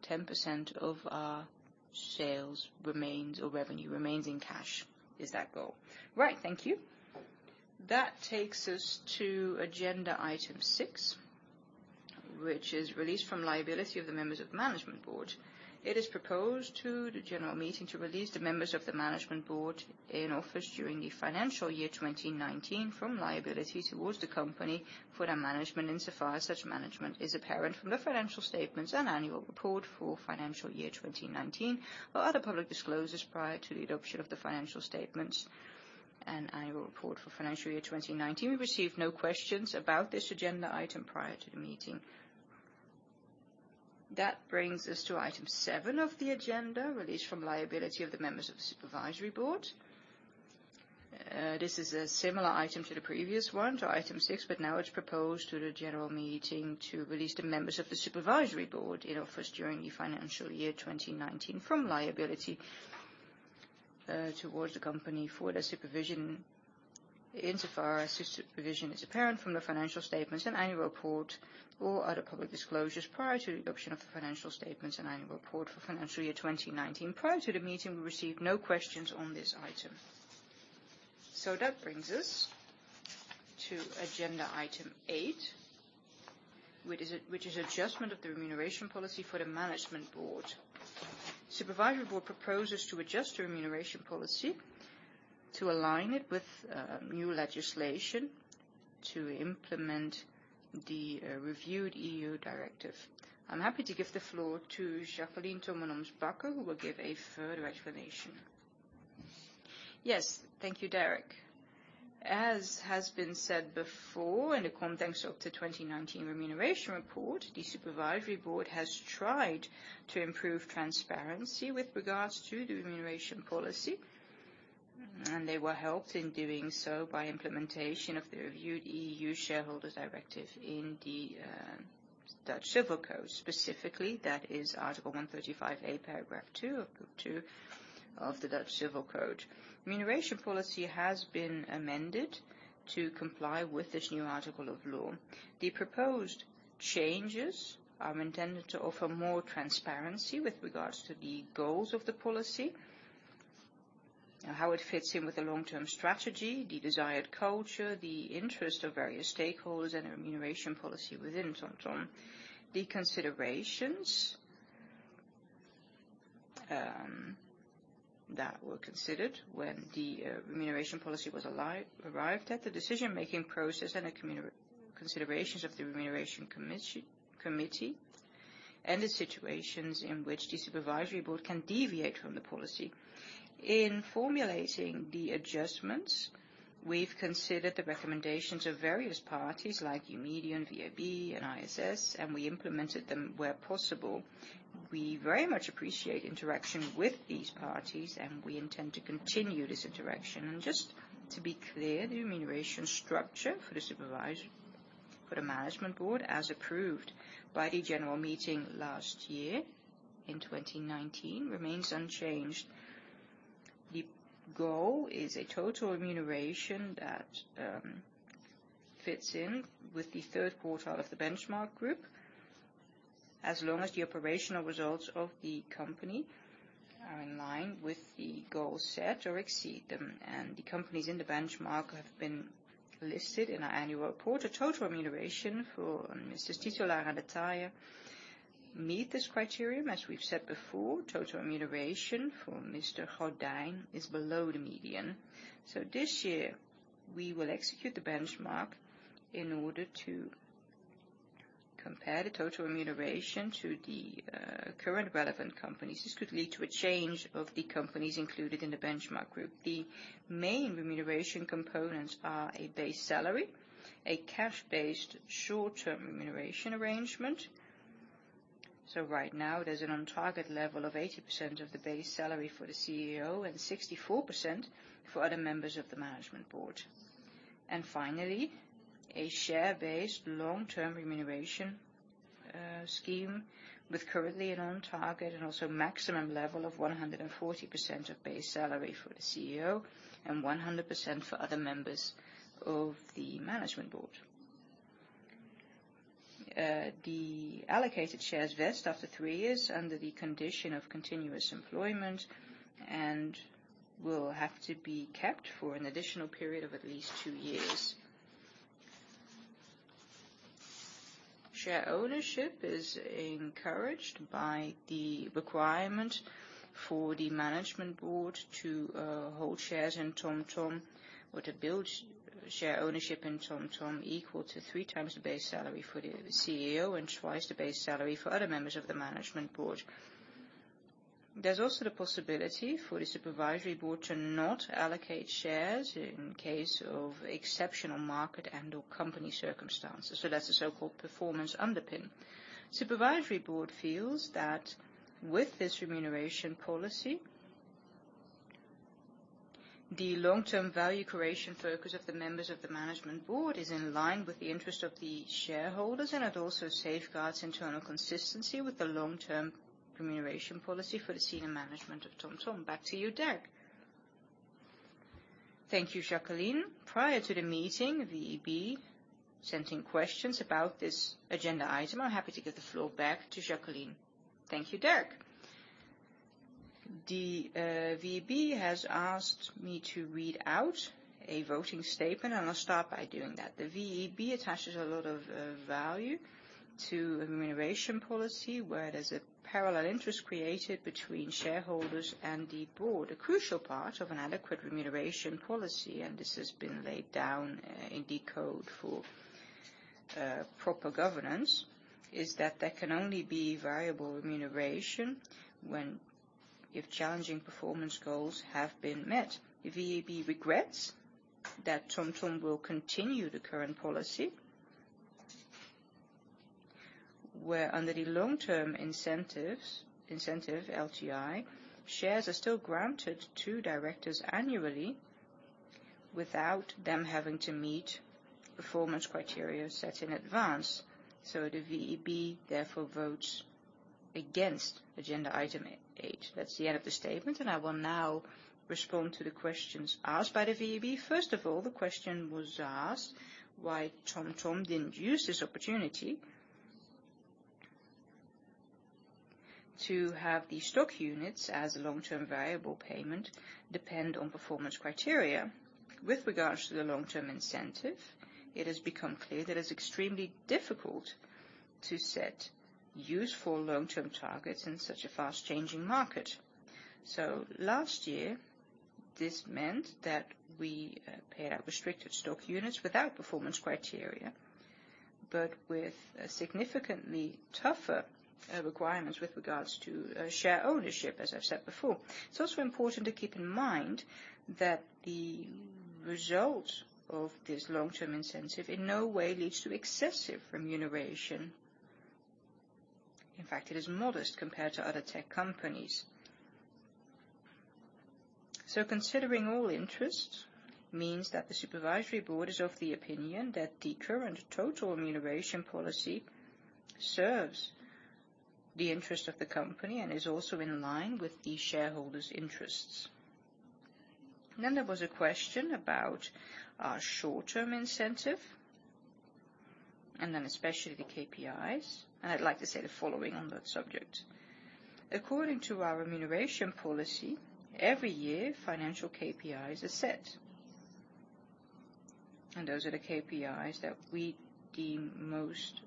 10% of our sales or revenue remains in cash, is that goal. Right. Thank you. That takes us to agenda item six, which is release from liability of the members of the management board. It is proposed to the general meeting to release the members of the management board in office during the financial year 2019 from liability towards the company for their management insofar as such management is apparent from the financial statements and annual report for financial year 2019 or other public disclosures prior to the adoption of the financial statements and annual report for financial year 2019. We received no questions about this agenda item prior to the meeting. That brings us to item seven of the agenda, release from liability of the members of the supervisory board. This is a similar item to the previous one, to item six, but now it is proposed to the general meeting to release the members of the Supervisory Board in office during the financial year 2019 from liability towards the company for their supervision insofar as such supervision is apparent from the financial statements and annual report or other public disclosures prior to the adoption of the financial statements and annual report for financial year 2019. Prior to the meeting, we received no questions on this item. That brings us to agenda item eight, which is adjustment of the remuneration policy for the Management Board. Supervisory Board proposes to adjust the remuneration policy to align it with new legislation to implement the reviewed EU directive. I am happy to give the floor to Jacqueline Tammenoms Bakker, who will give a further explanation. Yes. Thank you, Derk. As has been said before, in the context of the 2019 remuneration report, the Supervisory Board has tried to improve transparency with regards to the remuneration policy, and they were helped in doing so by implementation of the reviewed EU Shareholders Directive in the Dutch Civil Code, specifically, that is Article 2:135a, paragraph 2 of Book 2 of the Dutch Civil Code. Remuneration policy has been amended to comply with this new article of law. The proposed changes are intended to offer more transparency with regards to the goals of the policy, how it fits in with the long-term strategy, the desired culture, the interest of various stakeholders, and the remuneration policy within TomTom. The considerations that were considered when the remuneration policy was arrived at, the decision-making process, and the considerations of the Remuneration Committee, and the situations in which the Supervisory Board can deviate from the policy. In formulating the adjustments, we've considered the recommendations of various parties like Eumedion, VEB, and ISS, and we implemented them where possible. We very much appreciate interaction with these parties, and we intend to continue this interaction. Just to be clear, the remuneration structure for the Management Board, as approved by the general meeting last year in 2019, remains unchanged. The goal is a total remuneration that fits in with the third quarter of the benchmark group, as long as the operational results of the company are in line with the goals set or exceed them. The companies in the benchmark have been listed in our annual report. A total remuneration for Mr. Titulaer and Mr. De Taeye meet this criterion. As we've said before, total remuneration for Mr. Goddijn is below the median. This year, we will execute the benchmark in order to compare the total remuneration to the current relevant companies. This could lead to a change of the companies included in the benchmark group. The main remuneration components are a base salary, a cash-based short-term remuneration arrangement. Right now, there's an on-target level of 80% of the base salary for the CEO and 64% for other members of the Management Board. Finally, a share-based long-term remuneration scheme with currently an on-target and also maximum level of 140% of base salary for the CEO and 100% for other members of the Management Board. The allocated shares vest after three years under the condition of continuous employment and will have to be kept for an additional period of at least two years. Share ownership is encouraged by the requirement for the Management Board to hold shares in TomTom or to build share ownership in TomTom equal to 3x the base salary for the CEO and twice the base salary for other members of the Management Board. There's also the possibility for the Supervisory Board to not allocate shares in case of exceptional market and/or company circumstances. That's the so-called performance underpin. Supervisory Board feels that with this remuneration policy, the long-term value creation focus of the members of the Management Board is in line with the interest of the shareholders, and it also safeguards internal consistency with the long-term remuneration policy for the senior management of TomTom. Back to you, Derk. Thank you, Jacqueline. Prior to the meeting, VEB sent in questions about this agenda item. I'm happy to give the floor back to Jacqueline. Thank you, Derk. The VEB has asked me to read out a voting statement, and I'll start by doing that. The VEB attaches a lot of value to a remuneration policy where there's a parallel interest created between shareholders and the board. A crucial part of an adequate remuneration policy, and this has been laid down in the code for proper governance, is that there can only be variable remuneration if challenging performance goals have been met. The VEB regrets that TomTom will continue the current policy, where under the long-term incentive, LTI, shares are still granted to directors annually without them having to meet performance criteria set in advance. The VEB, therefore, votes against agenda item H. That's the end of the statement, and I will now respond to the questions asked by the VEB. First of all, the question was asked why TomTom didn't use this opportunity to have the stock units as a long-term variable payment depend on performance criteria. With regards to the long-term incentive, it has become clear that it's extremely difficult to set useful long-term targets in such a fast-changing market. Last year, this meant that we paid out restricted stock units without performance criteria, but with significantly tougher requirements with regards to share ownership, as I've said before. It's also important to keep in mind that the result of this long-term incentive in no way leads to excessive remuneration. In fact, it is modest compared to other tech companies. Considering all interests means that the Supervisory Board is of the opinion that the current total remuneration policy serves the interest of the company and is also in line with the shareholders' interests. There was a question about our short-term incentive. Especially the KPIs. I'd like to say the following on that subject. According to our remuneration policy, every year financial KPIs are set, and those are the KPIs that we deem most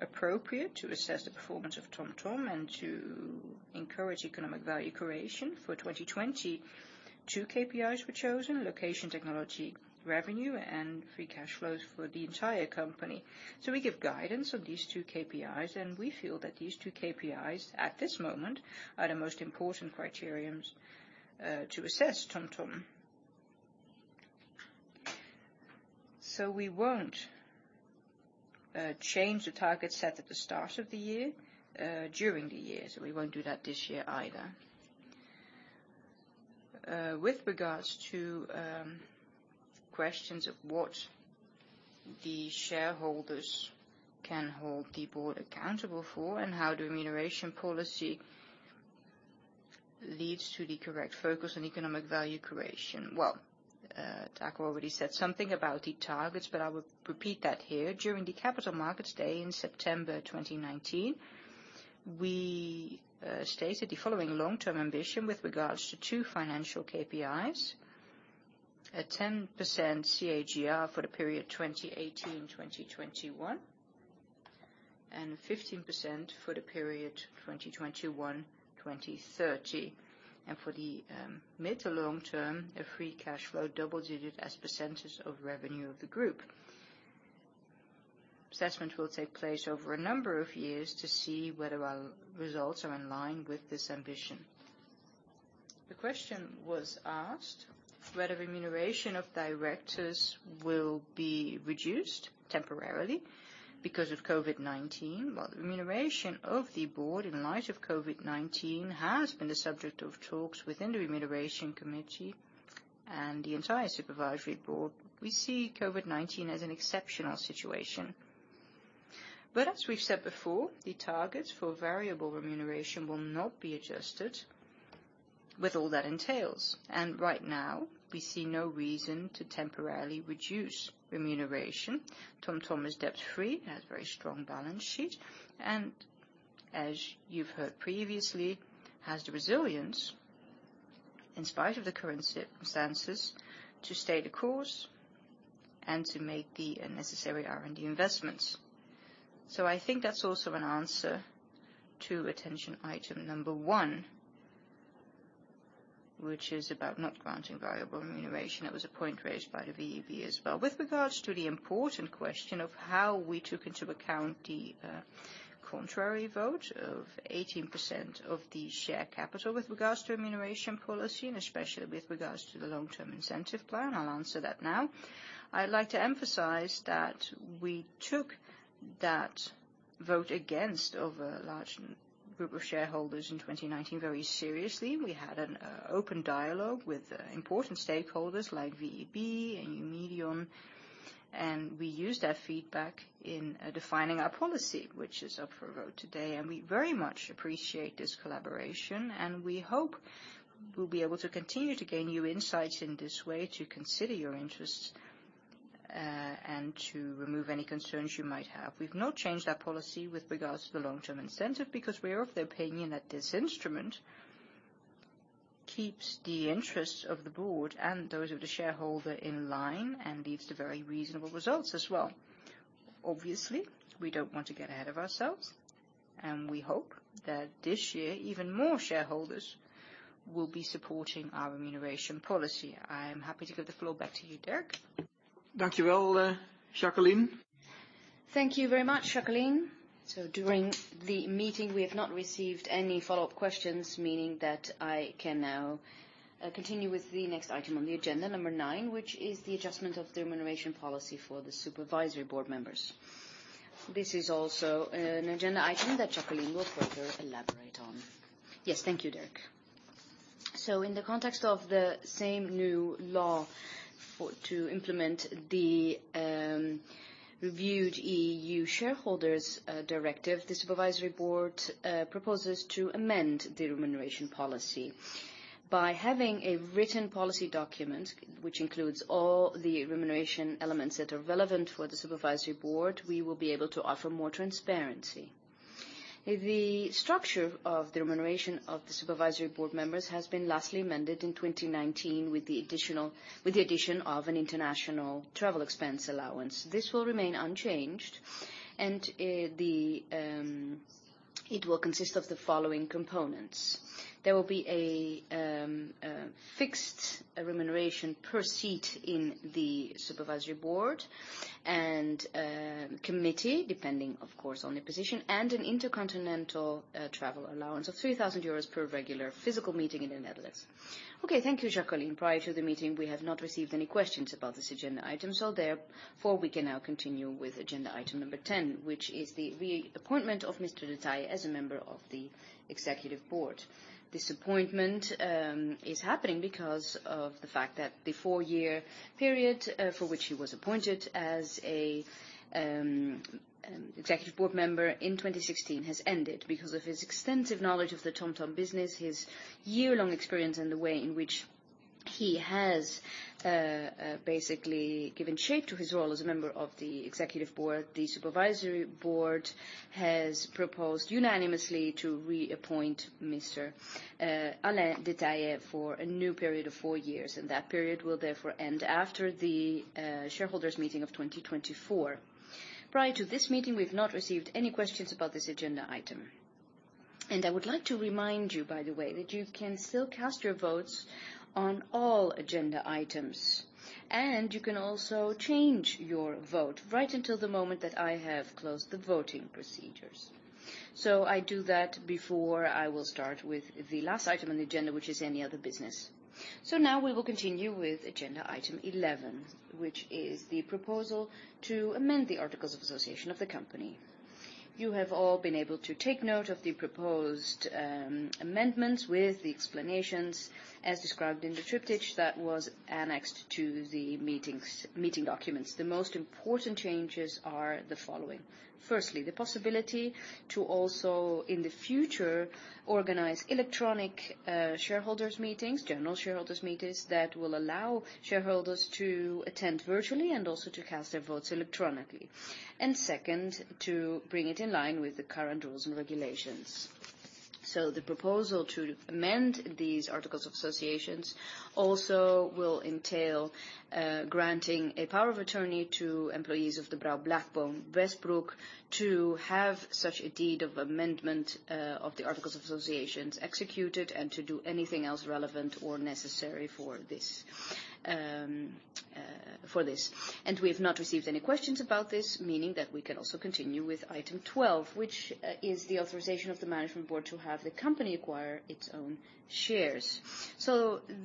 appropriate to assess the performance of TomTom and to encourage economic value creation. For 2020, 2 KPIs were chosen, location technology revenue, and free cash flows for the entire company. We give guidance on these 2 KPIs, and we feel that these 2 KPIs at this moment are the most important criteria to assess TomTom. We won't change the target set at the start of the year, during the year. We won't do that this year either. With regards to questions of what the shareholders can hold the board accountable for and how the remuneration policy leads to the correct focus on economic value creation. Taco already said something about the targets, but I will repeat that here. During the Capital Markets Day in September 2019, we stated the following long-term ambition with regards to two financial KPIs. A 10% CAGR for the period 2018-2021, and 15% for the period 2021-2030. For the mid to long-term, a free cash flow double-digit as percentage of revenue of the group. Assessment will take place over a number of years to see whether our results are in line with this ambition. The question was asked whether remuneration of directors will be reduced temporarily because of COVID-19. The remuneration of the board in light of COVID-19 has been the subject of talks within the Remuneration Committee and the entire Supervisory Board. We see COVID-19 as an exceptional situation, as we've said before, the targets for variable remuneration will not be adjusted with all that entails. Right now, we see no reason to temporarily reduce remuneration. TomTom is debt-free, it has very strong balance sheet, and as you've heard previously, has the resilience in spite of the current circumstances, to stay the course and to make the necessary R&D investments. I think that's also an answer to attention item number one, which is about not granting variable remuneration. That was a point raised by the VEB as well. With regards to the important question of how we took into account the contrary vote of 18% of the share capital with regards to remuneration policy, and especially with regards to the long-term incentive plan, I'll answer that now. I'd like to emphasize that we took that vote against, of a large group of shareholders in 2019 very seriously. We had an open dialogue with important stakeholders like VEB and Eumedion, and we used that feedback in defining our policy, which is up for a vote today, and we very much appreciate this collaboration, and we hope we'll be able to continue to gain new insights in this way to consider your interests, and to remove any concerns you might have. We've not changed our policy with regards to the long-term incentive, because we are of the opinion that this instrument keeps the interests of the board and those of the shareholder in line and leads to very reasonable results as well. Obviously, we don't want to get ahead of ourselves, and we hope that this year, even more shareholders will be supporting our remuneration policy. I am happy to give the floor back to you, Derk. Thank you very much, Jacqueline. During the meeting, we have not received any follow-up questions, meaning that I can now continue with the next item on the agenda, number nine, which is the adjustment of the remuneration policy for the Supervisory Board members. This is also an agenda item that Jacqueline will further elaborate on. Yes, thank you, Derk. In the context of the same new law to implement the reviewed EU Shareholders Directive, the Supervisory Board proposes to amend the remuneration policy. By having a written policy document, which includes all the remuneration elements that are relevant for the Supervisory Board, we will be able to offer more transparency. The structure of the remuneration of the Supervisory Board members has been lastly amended in 2019 with the addition of an international travel expense allowance. This will remain unchanged, and it will consist of the following components. There will be a fixed remuneration per seat in the Supervisory Board and committee, depending of course on your position, and an intercontinental travel allowance of 3,000 euros per regular physical meeting in the Netherlands. Okay. Thank you, Jacqueline. Prior to the meeting, we have not received any questions about this agenda item, so therefore we can now continue with agenda item number 10, which is the reappointment of Mr. de Taeye as a member of the Executive Board. This appointment is happening because of the fact that the four-year period, for which he was appointed as a Executive Board member in 2016, has ended. Because of his extensive knowledge of the TomTom business, his year-long experience in the way in which. He has basically given shape to his role as a member of the Executive Board. The Supervisory Board has proposed unanimously to reappoint Mr. Alain De Taeye for a new period of four years, and that period will therefore end after the shareholders' meeting of 2024. Prior to this meeting, we've not received any questions about this agenda item. I would like to remind you, by the way, that you can still cast your votes on all agenda items, and you can also change your vote right until the moment that I have closed the voting procedures. I do that before I will start with the last item on the agenda, which is any other business. Now we will continue with agenda item 11, which is the proposal to amend the articles of association of the company. You have all been able to take note of the proposed amendments with the explanations as described in the triptych that was annexed to the meeting documents. The most important changes are the following. Firstly, the possibility to also in the future organize electronic shareholders meetings, general shareholders meetings that will allow shareholders to attend virtually and also to cast their votes electronically. Second, to bring it in line with the current rules and regulations. The proposal to amend these articles of associations also will entail granting a power of attorney to employees of De Brauw Blackstone Westbroek to have such a deed of amendment of the articles of associations executed and to do anything else relevant or necessary for this. We have not received any questions about this, meaning that we can also continue with item 12, which is the authorization of the management board to have the company acquire its own shares.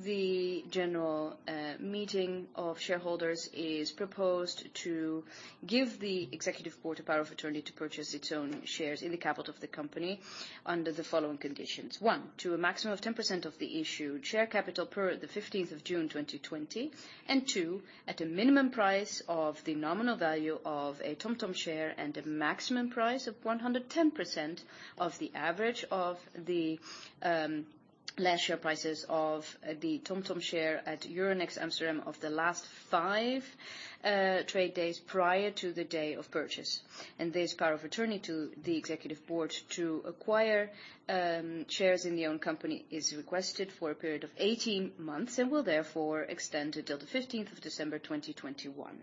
The general meeting of shareholders is proposed to give the executive board a power of attorney to purchase its own shares in the capital of the company under the following conditions. One, to a maximum of 10% of the issued share capital per the 15th of June 2020. Two, at a minimum price of the nominal value of a TomTom share and a maximum price of 110% of the average of the last five trade days prior to the day of purchase. This power of attorney to the executive board to acquire shares in the own company is requested for a period of 18 months and will therefore extend until the 15th of December 2021.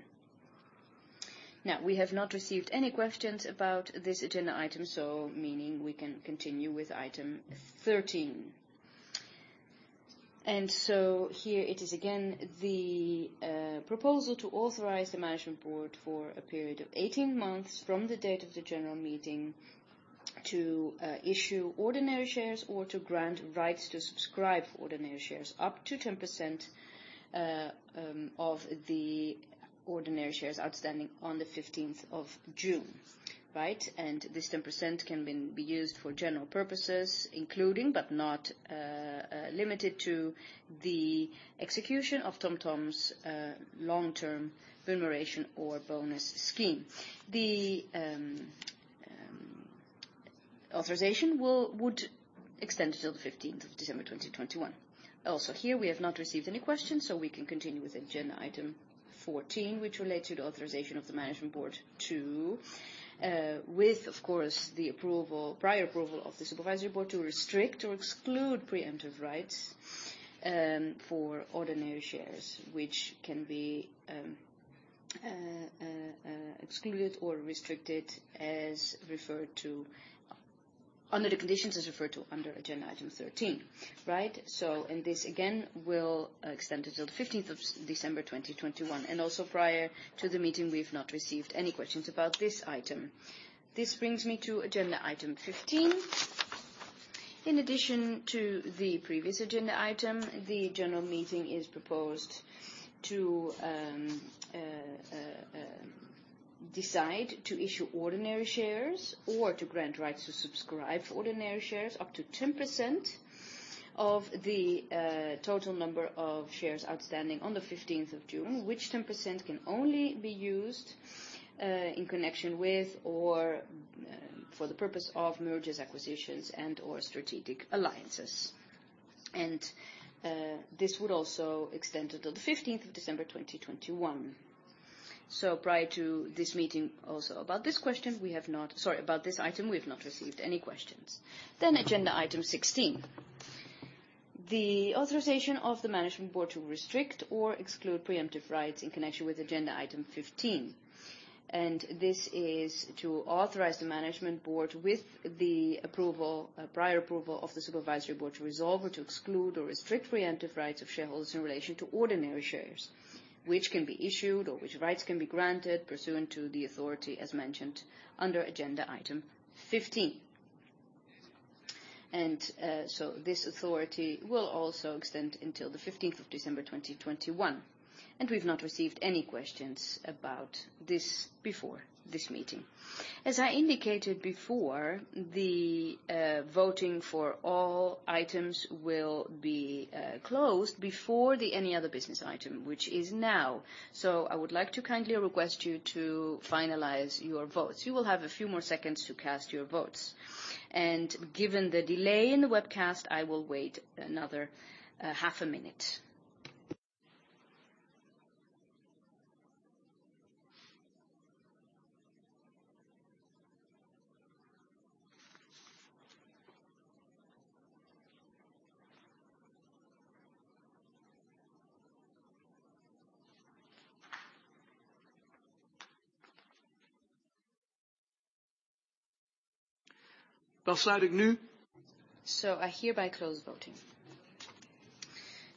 We have not received any questions about this agenda item, we can continue with item 13. Here it is again, the proposal to authorize the management board for a period of 18 months from the date of the general meeting to issue ordinary shares or to grant rights to subscribe ordinary shares, up to 10% of the ordinary shares outstanding on the 15th of June. Right? This 10% can be used for general purposes, including, but not limited to, the execution of TomTom's long-term remuneration or bonus scheme. The authorization would extend until the 15th of December 2021. Here we have not received any questions, so we can continue with agenda item 14, which relates to the authorization of the Management Board to, with of course, the prior approval of the supervisory board to restrict or exclude preemptive rights for ordinary shares, which can be excluded or restricted under the conditions as referred to under agenda item 13. Right? This again will extend until the 15th of December 2021. Prior to the meeting, we've not received any questions about this item. This brings me to agenda item 15. In addition to the previous agenda item, the general meeting is proposed to decide to issue ordinary shares or to grant rights to subscribe ordinary shares up to 10% of the total number of shares outstanding on the 15th of June, which 10% can only be used in connection with or for the purpose of mergers, acquisitions, and/or strategic alliances. This would also extend until the 15th of December 2021. Prior to this meeting, also about this item, we've not received any questions. Agenda item 16, the authorization of the Management Board to restrict or exclude preemptive rights in connection with agenda item 15. This is to authorize the Management Board with the prior approval of the Supervisory Board to resolve or to exclude or restrict preemptive rights of shareholders in relation to ordinary shares, which can be issued or which rights can be granted pursuant to the authority as mentioned under agenda item 15. This authority will also extend until the 15th of December 2021. We've not received any questions about this before this meeting. As I indicated before, the voting for all items will be closed before the any other business item, which is now. I would like to kindly request you to finalize your votes. You will have a few more seconds to cast your votes. Given the delay in the webcast, I will wait another half a minute. I hereby close voting.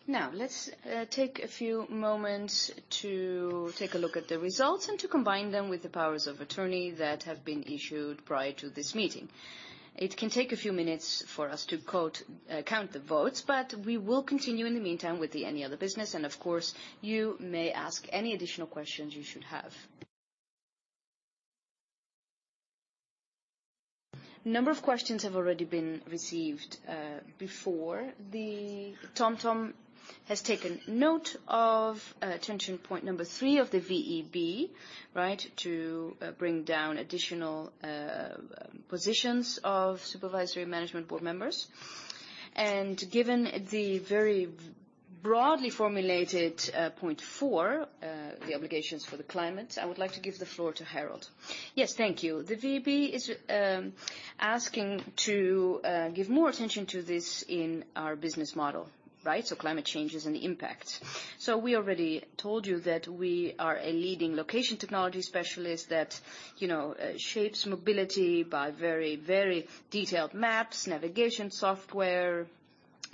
Let's take a few moments to take a look at the results and to combine them with the powers of attorney that have been issued prior to this meeting. It can take a few minutes for us to count the votes, but we will continue in the meantime with the any other business, and of course, you may ask any additional questions you should have. A number of questions have already been received before. TomTom has taken note of attention point number three of the VEB, to bring down additional positions of supervisory management board members. Given the very broadly formulated point four, the obligations for the climate, I would like to give the floor to Harold. Yes, thank you. The VEB is asking to give more attention to this in our business model, climate changes and the impact. We already told you that we are a leading location technology specialist that shapes mobility by very detailed maps, navigation software,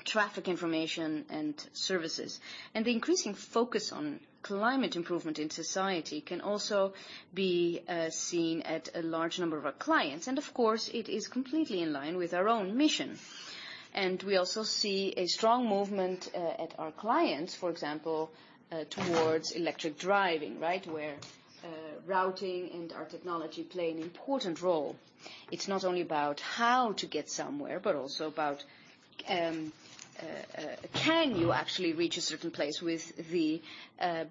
traffic information, and services. The increasing focus on climate improvement in society can also be seen at a large number of our clients. Of course, it is completely in line with our own mission. We also see a strong movement at our clients, for example, towards electric driving. Where routing and our technology play an important role. It's not only about how to get somewhere, but also about can you actually reach a certain place with the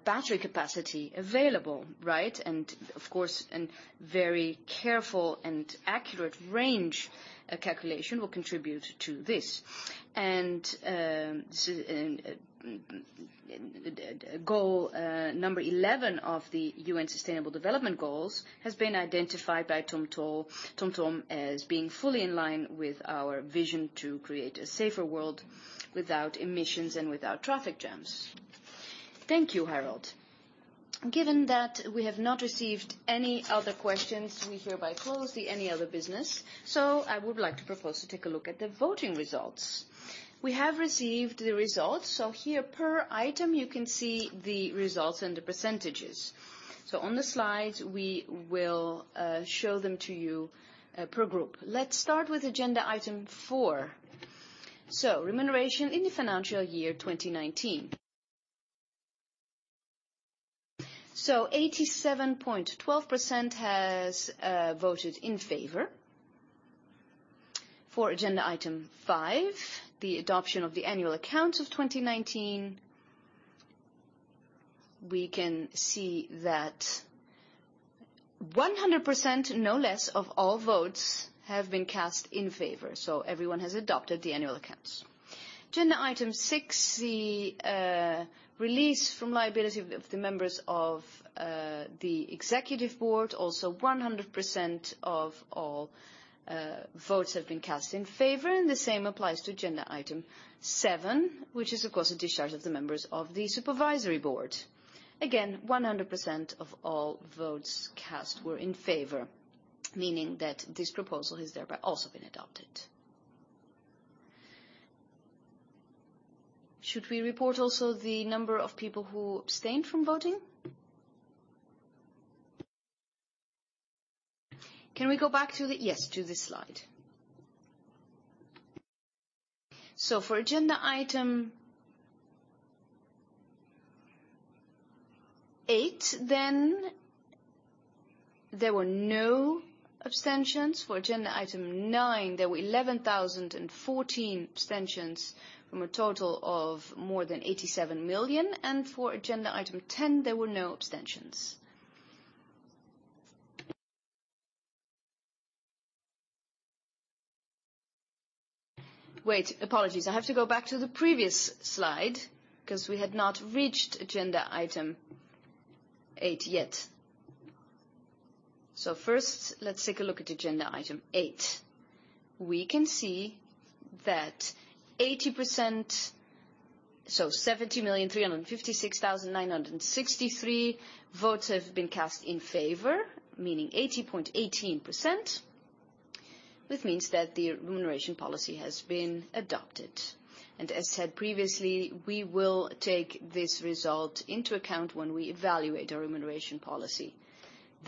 battery capacity available. Of course, a very careful and accurate range calculation will contribute to this. Goal 11 of the UN Sustainable Development Goals has been identified by TomTom as being fully in line with our vision to create a safer world without emissions and without traffic jams. Thank you, Harold. Given that we have not received any other questions, we hereby close the any other business. I would like to propose to take a look at the voting results. We have received the results. Here, per item, you can see the results and the percentages. On the slides, we will show them to you per group. Let's start with agenda item four. Remuneration in the financial year 2019. 87.12% has voted in favor. For agenda item five, the adoption of the annual accounts of 2019, we can see that 100%, no less, of all votes have been cast in favor. Everyone has adopted the annual accounts. Agenda item six, the release from liability of the members of the Executive Board. 100% of all votes have been cast in favor, and the same applies to agenda item seven, which is, of course, the discharge of the members of the Supervisory Board. 100% of all votes cast were in favor, meaning that this proposal has thereby also been adopted. Should we report also the number of people who abstained from voting? Can we go back to this slide. For agenda item eight then, there were no abstentions. For agenda item nine, there were 11,014 abstentions from a total of more than 87 million. For agenda item 10, there were no abstentions. Wait, apologies. I have to go back to the previous slide because we had not reached agenda item eight yet. First, let's take a look at agenda item eight. We can see that 80%, so 70,356,963 votes have been cast in favor, meaning 80.18%, which means that the remuneration policy has been adopted. As said previously, we will take this result into account when we evaluate our remuneration policy.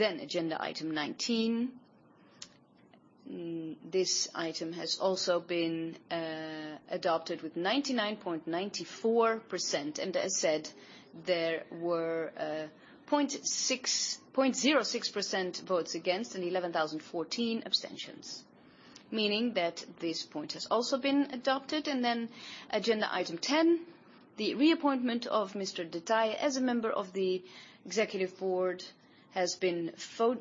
Agenda item 19. This item has also been adopted with 99.94%. As said, there were 0.06% votes against and 11,014 abstentions, meaning that this point has also been adopted. Agenda item 10. The reappointment of Mr. De Taeye as a member of the Executive Board has been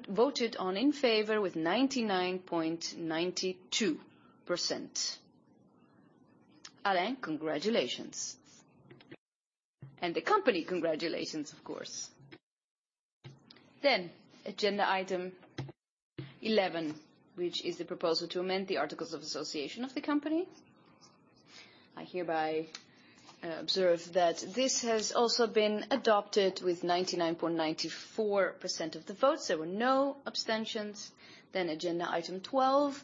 voted on in favor with 99.92%. Alain, congratulations. The company, congratulations, of course. Agenda item 11, which is the proposal to amend the articles of association of the company. I hereby observe that this has also been adopted with 99.94% of the votes. There were no abstentions. Agenda item 12,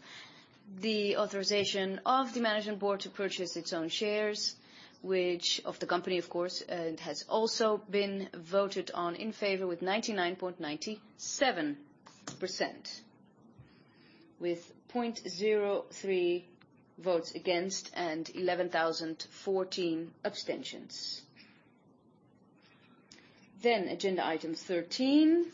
the authorization of the management board to purchase its own shares, of the company, of course, and has also been voted on in favor with 99.97%, with 0.03 votes against and 11,014 abstentions. Agenda item 13.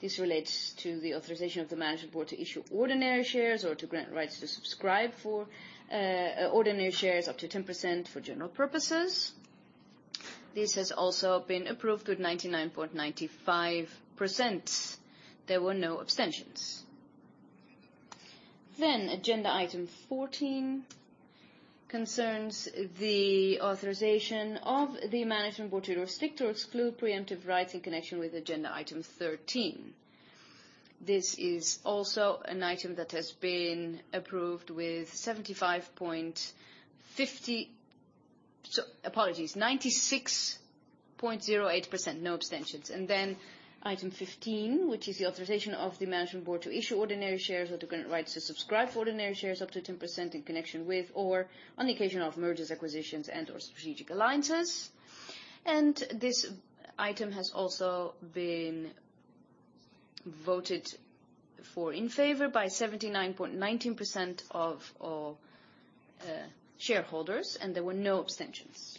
This relates to the authorization of the management board to issue ordinary shares or to grant rights to subscribe for ordinary shares up to 10% for general purposes. This has also been approved with 99.95%. There were no abstentions. Agenda item 14 concerns the authorization of the management board to restrict or exclude preemptive rights in connection with agenda item 13. This is also an item that has been approved with 96.08%. No abstentions. Item 15, which is the authorization of the Management Board to issue ordinary shares or to grant rights to subscribe for ordinary shares up to 10% in connection with or on occasion of mergers, acquisitions and/or strategic alliances. This item has also been voted for in favor by 79.19% of all shareholders, and there were no abstentions.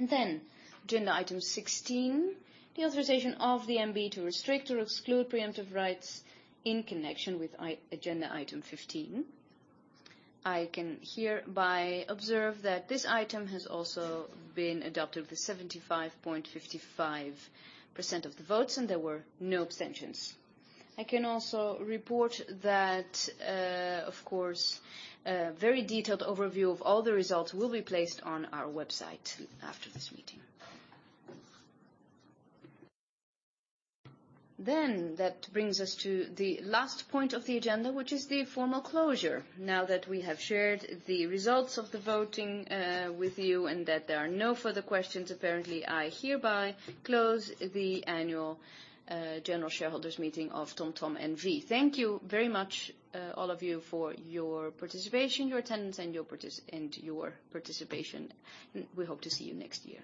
Agenda item 16, the authorization of the MB to restrict or exclude preemptive rights in connection with agenda item 15. I can hereby observe that this item has also been adopted with 75.55% of the votes, and there were no abstentions. I can also report that a very detailed overview of all the results will be placed on our website after this meeting. That brings us to the last point of the agenda, which is the formal closure. Now that we have shared the results of the voting with you and that there are no further questions, apparently, I hereby close the Annual General Shareholders Meeting of TomTom N.V. Thank you very much all of you for your participation, your attendance and your participation. We hope to see you next year.